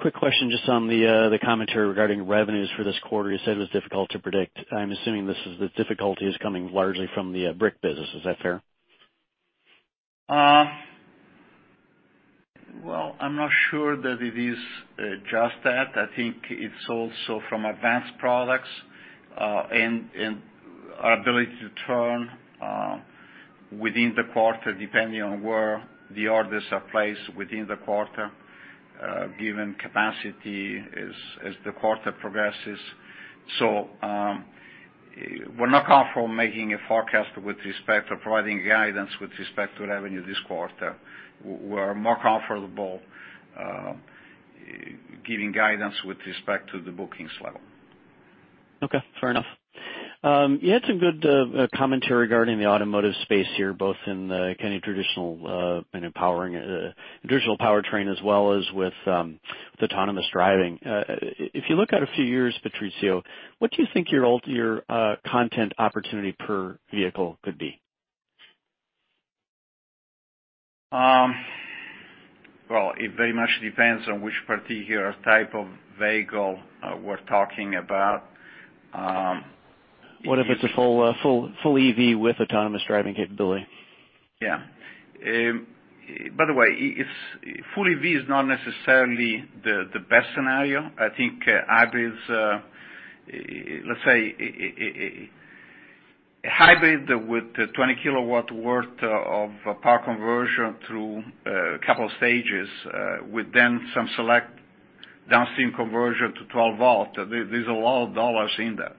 Quick question just on the commentary regarding revenues for this quarter. You said it was difficult to predict. I'm assuming the difficulty is coming largely from the brick business. Is that fair? Well, I'm not sure that it is just that. I think it's also from advanced products, and our ability to turn within the quarter, depending on where the orders are placed within the quarter, given capacity as the quarter progresses. We're not comfortable making a forecast with respect to providing guidance with respect to revenue this quarter. We're more comfortable giving guidance with respect to the bookings level. Okay, fair enough. You had some good commentary regarding the automotive space here, both in the kind of traditional powertrain, as well as with autonomous driving. If you look out a few years, Patrizio, what do you think your content opportunity per vehicle could be? Well, it very much depends on which particular type of vehicle we're talking about. What if it's a full EV with autonomous driving capability? By the way, full EV is not necessarily the best scenario. I think hybrids, let's say a hybrid with 20 kW worth of power conversion through a couple of stages, with then some select downstream conversion to 12 V, there's a lot of dollars in that.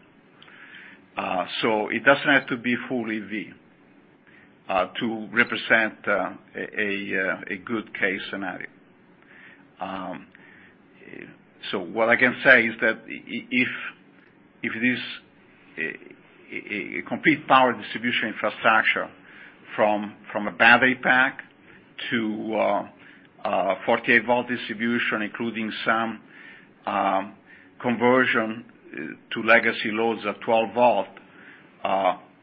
It doesn't have to be full EV to represent a good case scenario. What I can say is that if it is a complete power distribution infrastructure from a battery pack to a 48-V distribution, including some conversion to legacy loads at 12 V,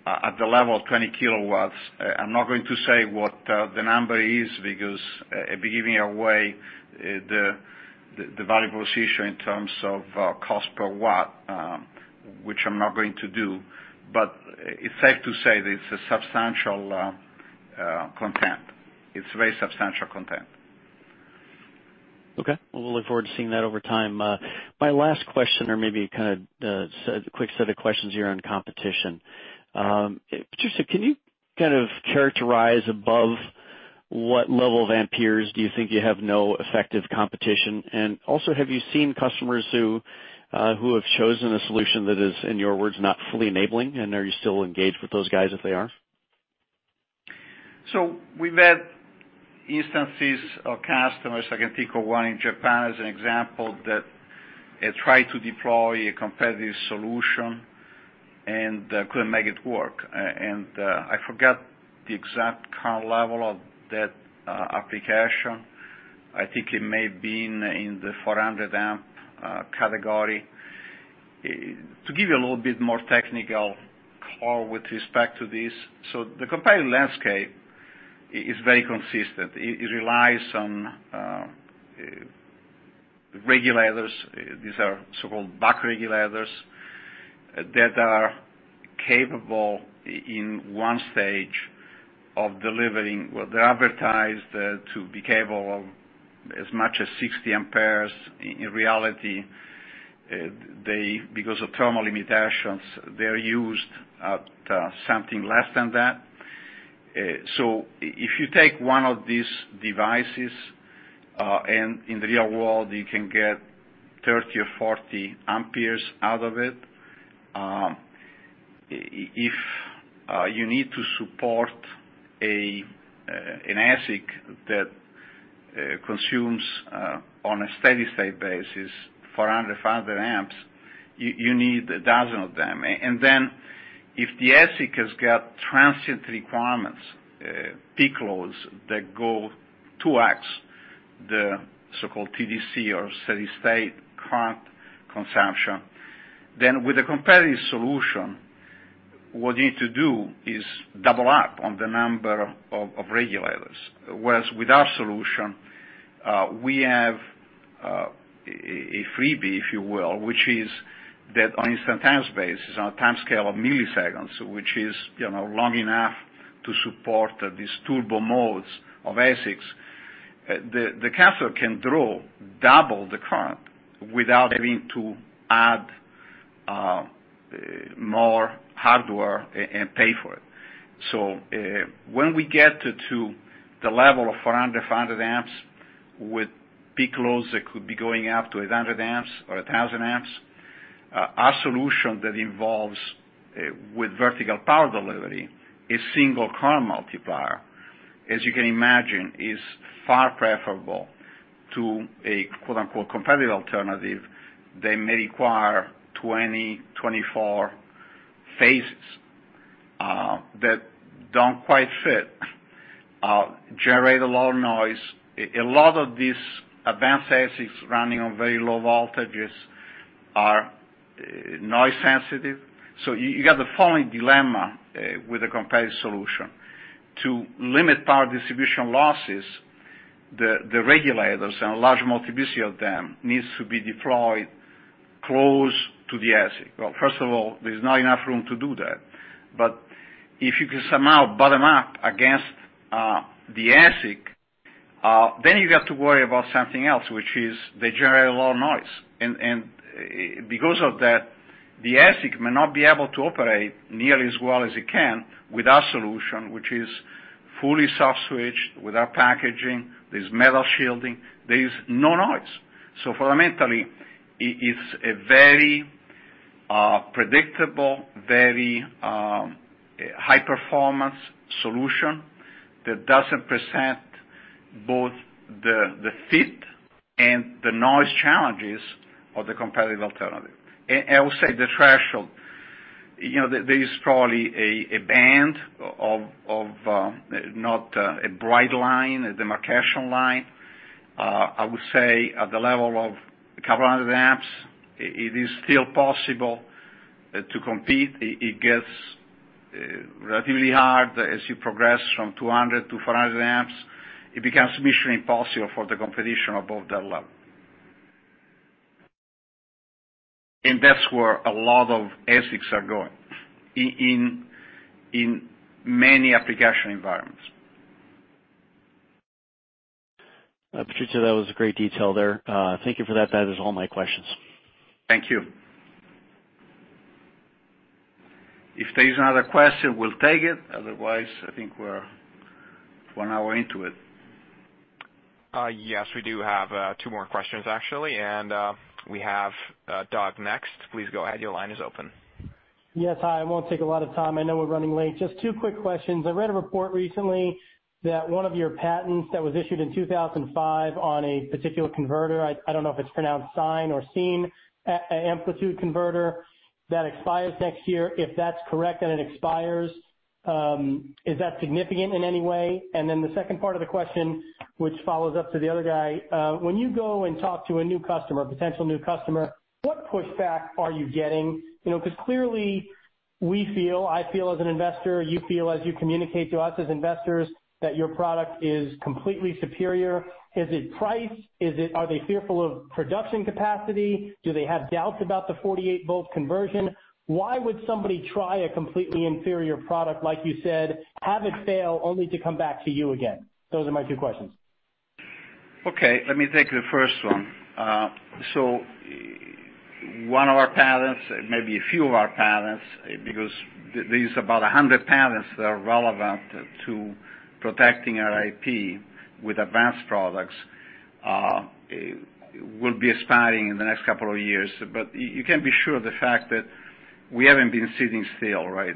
at the level of 20 kW, I'm not going to say what the number is because it'd be giving away the valuable position in terms of cost per watt, which I'm not going to do. It's safe to say that it's a substantial content. It's very substantial content. Okay. Well, we look forward to seeing that over time. My last question, or maybe kind of a quick set of questions here on competition. Patrizio, can you kind of characterize above what level of amperes do you think you have no effective competition? Also, have you seen customers who have chosen a solution that is, in your words, not fully enabling? Are you still engaged with those guys if they are? We've had instances of customers, I can think of one in Japan as an example, that tried to deploy a competitive solution and couldn't make it work. I forget the exact current level of that application. I think it may have been in the 400 amp category. To give you a little bit more technical color with respect to this. The competitive landscape is very consistent. It relies on regulators. These are so-called buck regulators that are capable in 1 stage of delivering, well, they're advertised to be capable of as much as 60 amperes. In reality, because of thermal limitations, they're used at something less than that. If you take one of these devices and in the real world, you can get 30 or 40 amperes out of it. If you need to support an ASIC that consumes, on a steady state basis, 400, 500 amps, you need a dozen of them. If the ASIC has got transient requirements, peak loads that go 2x, the so-called TDP or steady state current consumption, then with a competitive solution, what you need to do is double up on the number of regulators. Whereas with our solution, we have a freebie, if you will, which is that on instantaneous basis, on a timescale of milliseconds, which is long enough to support these turbo modes of ASICs, the customer can draw double the current without having to add more hardware and pay for it. When we get to the level of 400, 500 amps with peak loads that could be going up to 800 amps or 1,000 amps, our solution that involves with vertical power delivery, a single Current Multiplier, as you can imagine, is far preferable to a "competitive alternative." They may require 20, 24 phases that don't quite fit, generate a lot of noise. A lot of these advanced ASICs running on very low voltages are noise sensitive. You got the following dilemma with a competitive solution. To limit power distribution losses, the regulators and a large multiplicity of them needs to be deployed close to the ASIC. Well, first of all, there's not enough room to do that. If you could somehow bottom up against the ASIC, you got to worry about something else, which is they generate a lot of noise. Because of that, the ASIC may not be able to operate nearly as well as it can with our solution, which is fully soft switched with our packaging. There's metal shielding, there is no noise. Fundamentally, it's a very predictable, very high-performance solution that doesn't present both the fit and the noise challenges of the competitive alternative. I would say the threshold, there is probably a band of not a bright line, a demarcation line. I would say at the level of a couple of hundred amps, it is still possible to compete. It gets relatively hard as you progress from 200-400 amps. It becomes mission impossible for the competition above that level. That's where a lot of ASICs are going in many application environments. Patrizio, that was a great detail there. Thank you for that. That is all my questions. Thank you. If there is another question, we'll take it. Otherwise, I think we're one hour into it. Yes, we do have two more questions, actually. We have Doug next. Please go ahead. Your line is open. Yes. Hi. I won't take a lot of time. I know we're running late. Just two quick questions. I read a report recently that one of your patents that was issued in 2005 on a particular converter, I don't know if it's pronounced sine or scene, Sine Amplitude Converter that expires next year. If that's correct and it expires, is that significant in any way? Then the second part of the question, which follows up to the other guy. When you go and talk to a new customer, potential new customer, what pushback are you getting? Clearly we feel, I feel as an investor, you feel as you communicate to us as investors, that your product is completely superior. Is it price? Are they fearful of production capacity? Do they have doubts about the 48-volt conversion? Why would somebody try a completely inferior product, like you said, have it fail, only to come back to you again? Those are my two questions. Let me take the first one. One of our patents, maybe a few of our patents, because there is about 100 patents that are relevant to protecting our IP with advanced products, will be expiring in the next couple of years. You can be sure of the fact that we haven't been sitting still, right?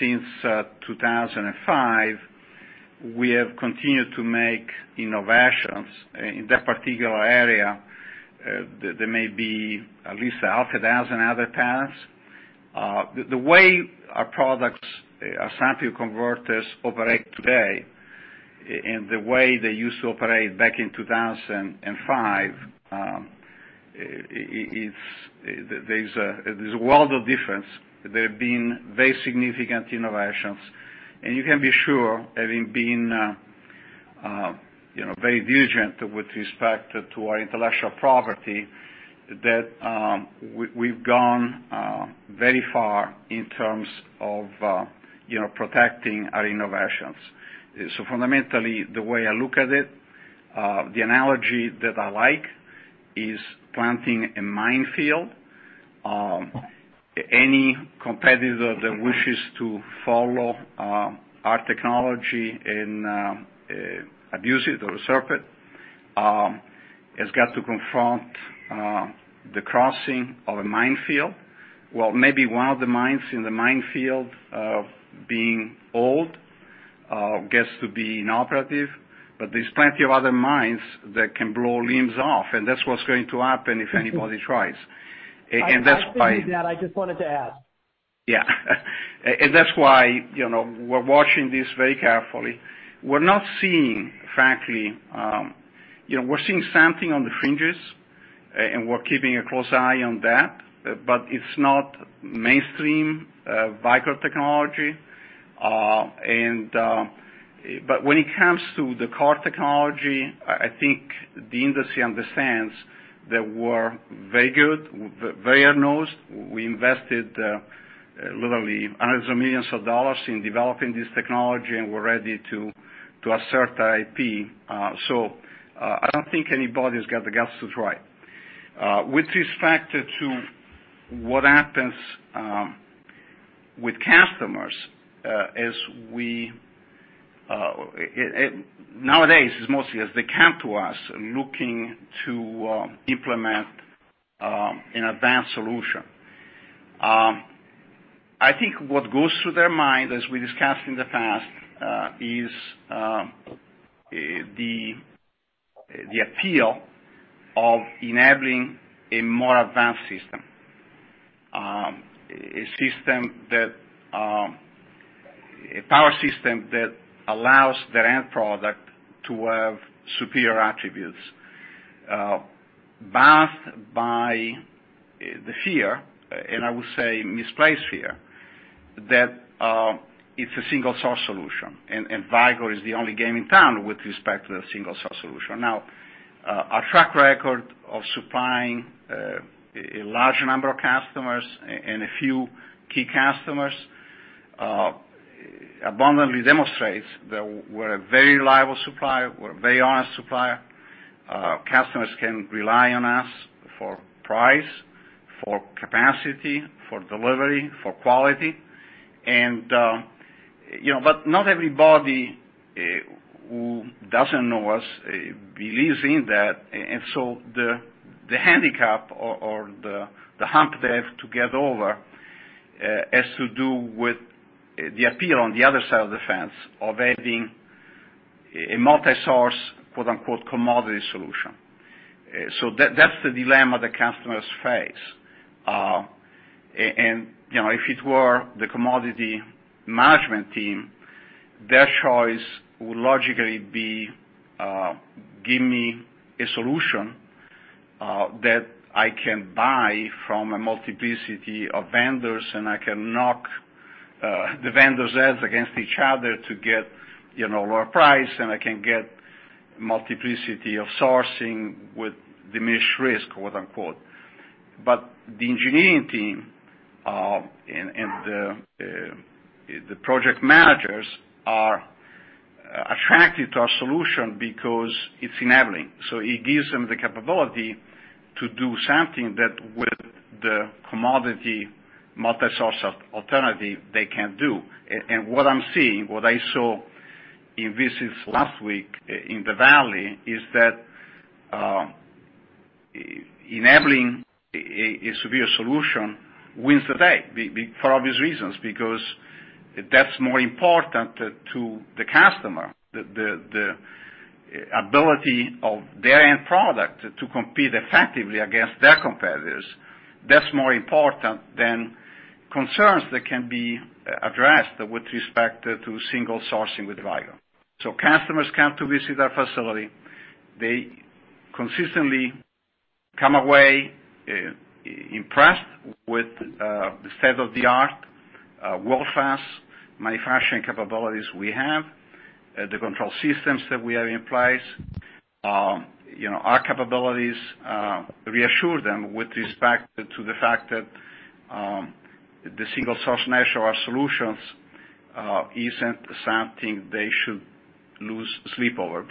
Since 2005, we have continued to make innovations in that particular area. There may be at least half a dozen other patents. The way our products, our Sine Amplitude Converters operate today, and the way they used to operate back in 2005, there's a world of difference. There have been very significant innovations. You can be sure, having been very vigilant with respect to our intellectual property, that we've gone very far in terms of protecting our innovations. Fundamentally, the way I look at it, the analogy that I like is planting a minefield. Any competitor that wishes to follow our technology and abuse it or usurp it, has got to confront the crossing of a minefield. Maybe one of the mines in the minefield being old gets to be inoperative, but there's plenty of other mines that can blow limbs off, and that's what's going to happen if anybody tries. I see that. I just wanted to ask. That's why we're watching this very carefully. We're not seeing, we're seeing something on the fringes, and we're keeping a close eye on that, but it's not mainstream Vicor technology. When it comes to the core technology, I think the industry understands that we're very good, very adept. We invested literally hundreds of millions of dollars in developing this technology, and we're ready to assert the IP. I don't think anybody's got the guts to try. With respect to what happens with customers, nowadays, it's mostly as they come to us looking to implement an advanced solution. I think what goes through their mind, as we discussed in the past, is the appeal of enabling a more advanced system. A power system that allows their end product to have superior attributes, birthed by the fear, and I would say misplaced fear, that it's a single-source solution, and Vicor is the only game in town with respect to that single-source solution. Now, our track record of supplying a large number of customers and a few key customers abundantly demonstrates that we're a very reliable supplier. We're a very honest supplier. Customers can rely on us for price, for capacity, for delivery, for quality. Not everybody who doesn't know us believes in that. The handicap or the hump they have to get over, has to do with the appeal on the other side of the fence of having a multi-source, quote unquote, commodity solution. That's the dilemma that customers face. If it were the commodity management team, their choice would logically be, give me a solution that I can buy from a multiplicity of vendors, I can knock the vendors' heads against each other to get lower price, and I can get multiplicity of sourcing with diminished risk, quote unquote. The engineering team and the project managers are attracted to our solution because it's enabling. It gives them the capability to do something that with the commodity multi-source alternative, they can't do. What I'm seeing, what I saw in visits last week in the valley, is that enabling a superior solution wins the day for obvious reasons, because that's more important to the customer. The ability of their end product to compete effectively against their competitors, that's more important than concerns that can be addressed with respect to single sourcing with Vicor. Customers come to visit our facility. They consistently come away impressed with the state-of-the-art, world-class manufacturing capabilities we have, the control systems that we have in place. Our capabilities reassure them with respect to the fact that. The single source nature of our solutions isn't something they should lose sleep over.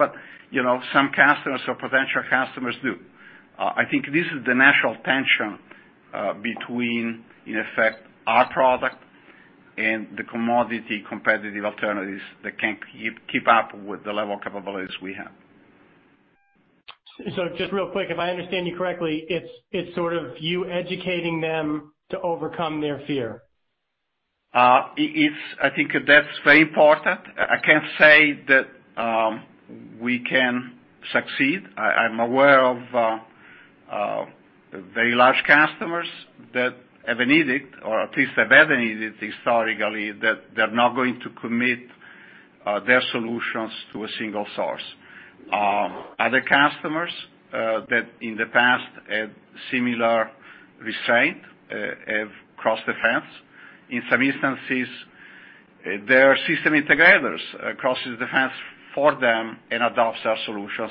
Some customers or potential customers do. I think this is the natural tension between, in effect, our product and the commodity competitive alternatives that can't keep up with the level of capabilities we have. Just real quick, if I understand you correctly, it's sort of you educating them to overcome their fear. I think that's very important. I can't say that we can succeed. I'm aware of very large customers that have an edict, or at least have had an edict historically, that they're not going to commit their solutions to a single source. Other customers that in the past had similar resolve have crossed the fence. In some instances, their system integrators crosses the fence for them and adopts our solution.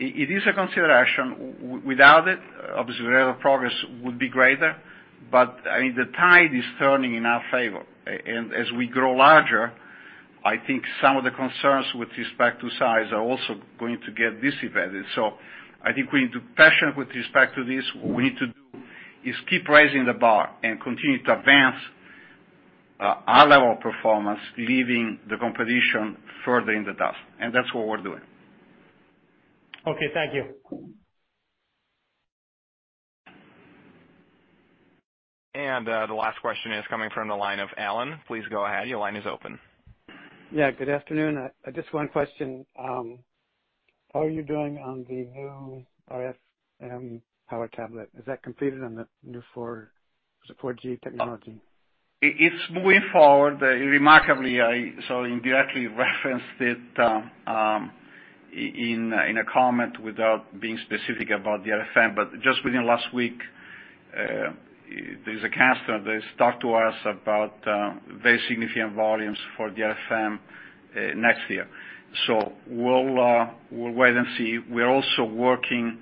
It is a consideration. Without it, obviously, the rate of progress would be greater. The tide is turning in our favor. And as we grow larger, I think some of the concerns with respect to size are also going to get dissipated. I think we need to be patient with respect to this. What we need to do is keep raising the bar and continue to advance our level of performance, leaving the competition further in the dust. That's what we're doing. Okay, thank you. The last question is coming from the line of Alan. Please go ahead. Your line is open. Yeah, good afternoon. Just one question. How are you doing on the new RFM Power Tablet? Is that completed on the new 4G technology? It's moving forward remarkably. You indirectly referenced it in a comment without being specific about the RFM. Just within last week, there's a customer that has talked to us about very significant volumes for the RFM next year. We'll wait and see. We're also working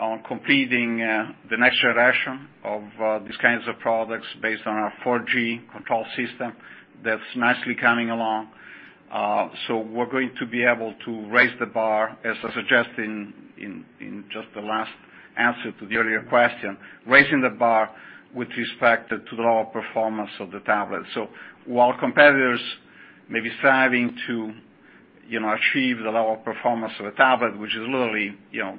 on completing the next generation of these kinds of products based on our 4G control system that's nicely coming along. We're going to be able to raise the bar, as I suggest in just the last answer to the earlier question, raising the bar with respect to the lower performance of the Power Tablet. While competitors may be striving to achieve the level of performance of a Power Tablet, which is literally in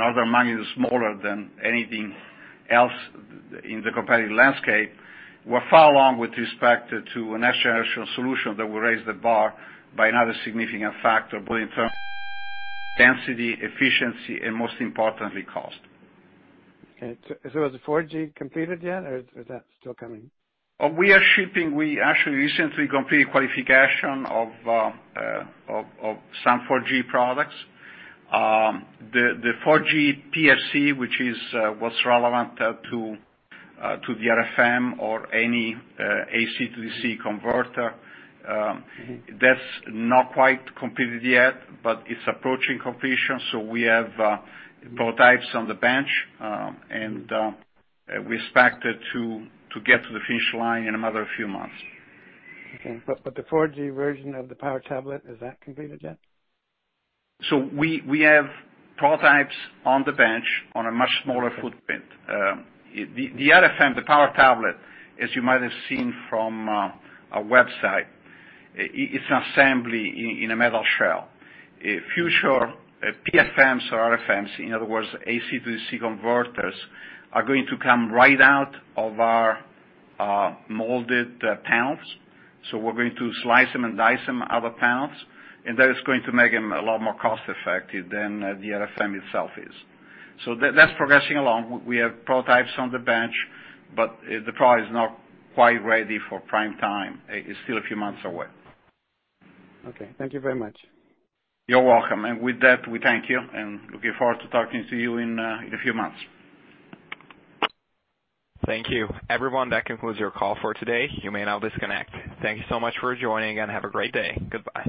other money, is smaller than anything else in the competitive landscape, we're far along with respect to a next generation solution that will raise the bar by another significant factor, both in terms of density, efficiency, and most importantly, cost. Okay. Is the 4G completed yet, or is that still coming? We are shipping. We actually recently completed qualification of some 4G products. The 4G PFC, which is what's relevant to the RFM or any AC-DC converter. That's not quite completed yet, but it's approaching completion. We have prototypes on the bench, and we expect it to get to the finish line in another few months. Okay. The 4G version of the Power Tablet, is that completed yet? We have prototypes on the bench on a much smaller footprint. The RFM, the Power Tablet, as you might have seen from our website, it's an assembly in a metal shell. Future PFM or RFMs, in other words, AC-DC converters, are going to come right out of our molded panels. We're going to slice them and dice them out of panels, and that is going to make them a lot more cost-effective than the RFM itself is. That's progressing along. We have prototypes on the bench, but the product is not quite ready for prime time. It's still a few months away. Okay. Thank you very much. You're welcome. With that, we thank you, and looking forward to talking to you in a few months. Thank you. Everyone, that concludes your call for today. You may now disconnect. Thank you so much for joining, and have a great day. Goodbye.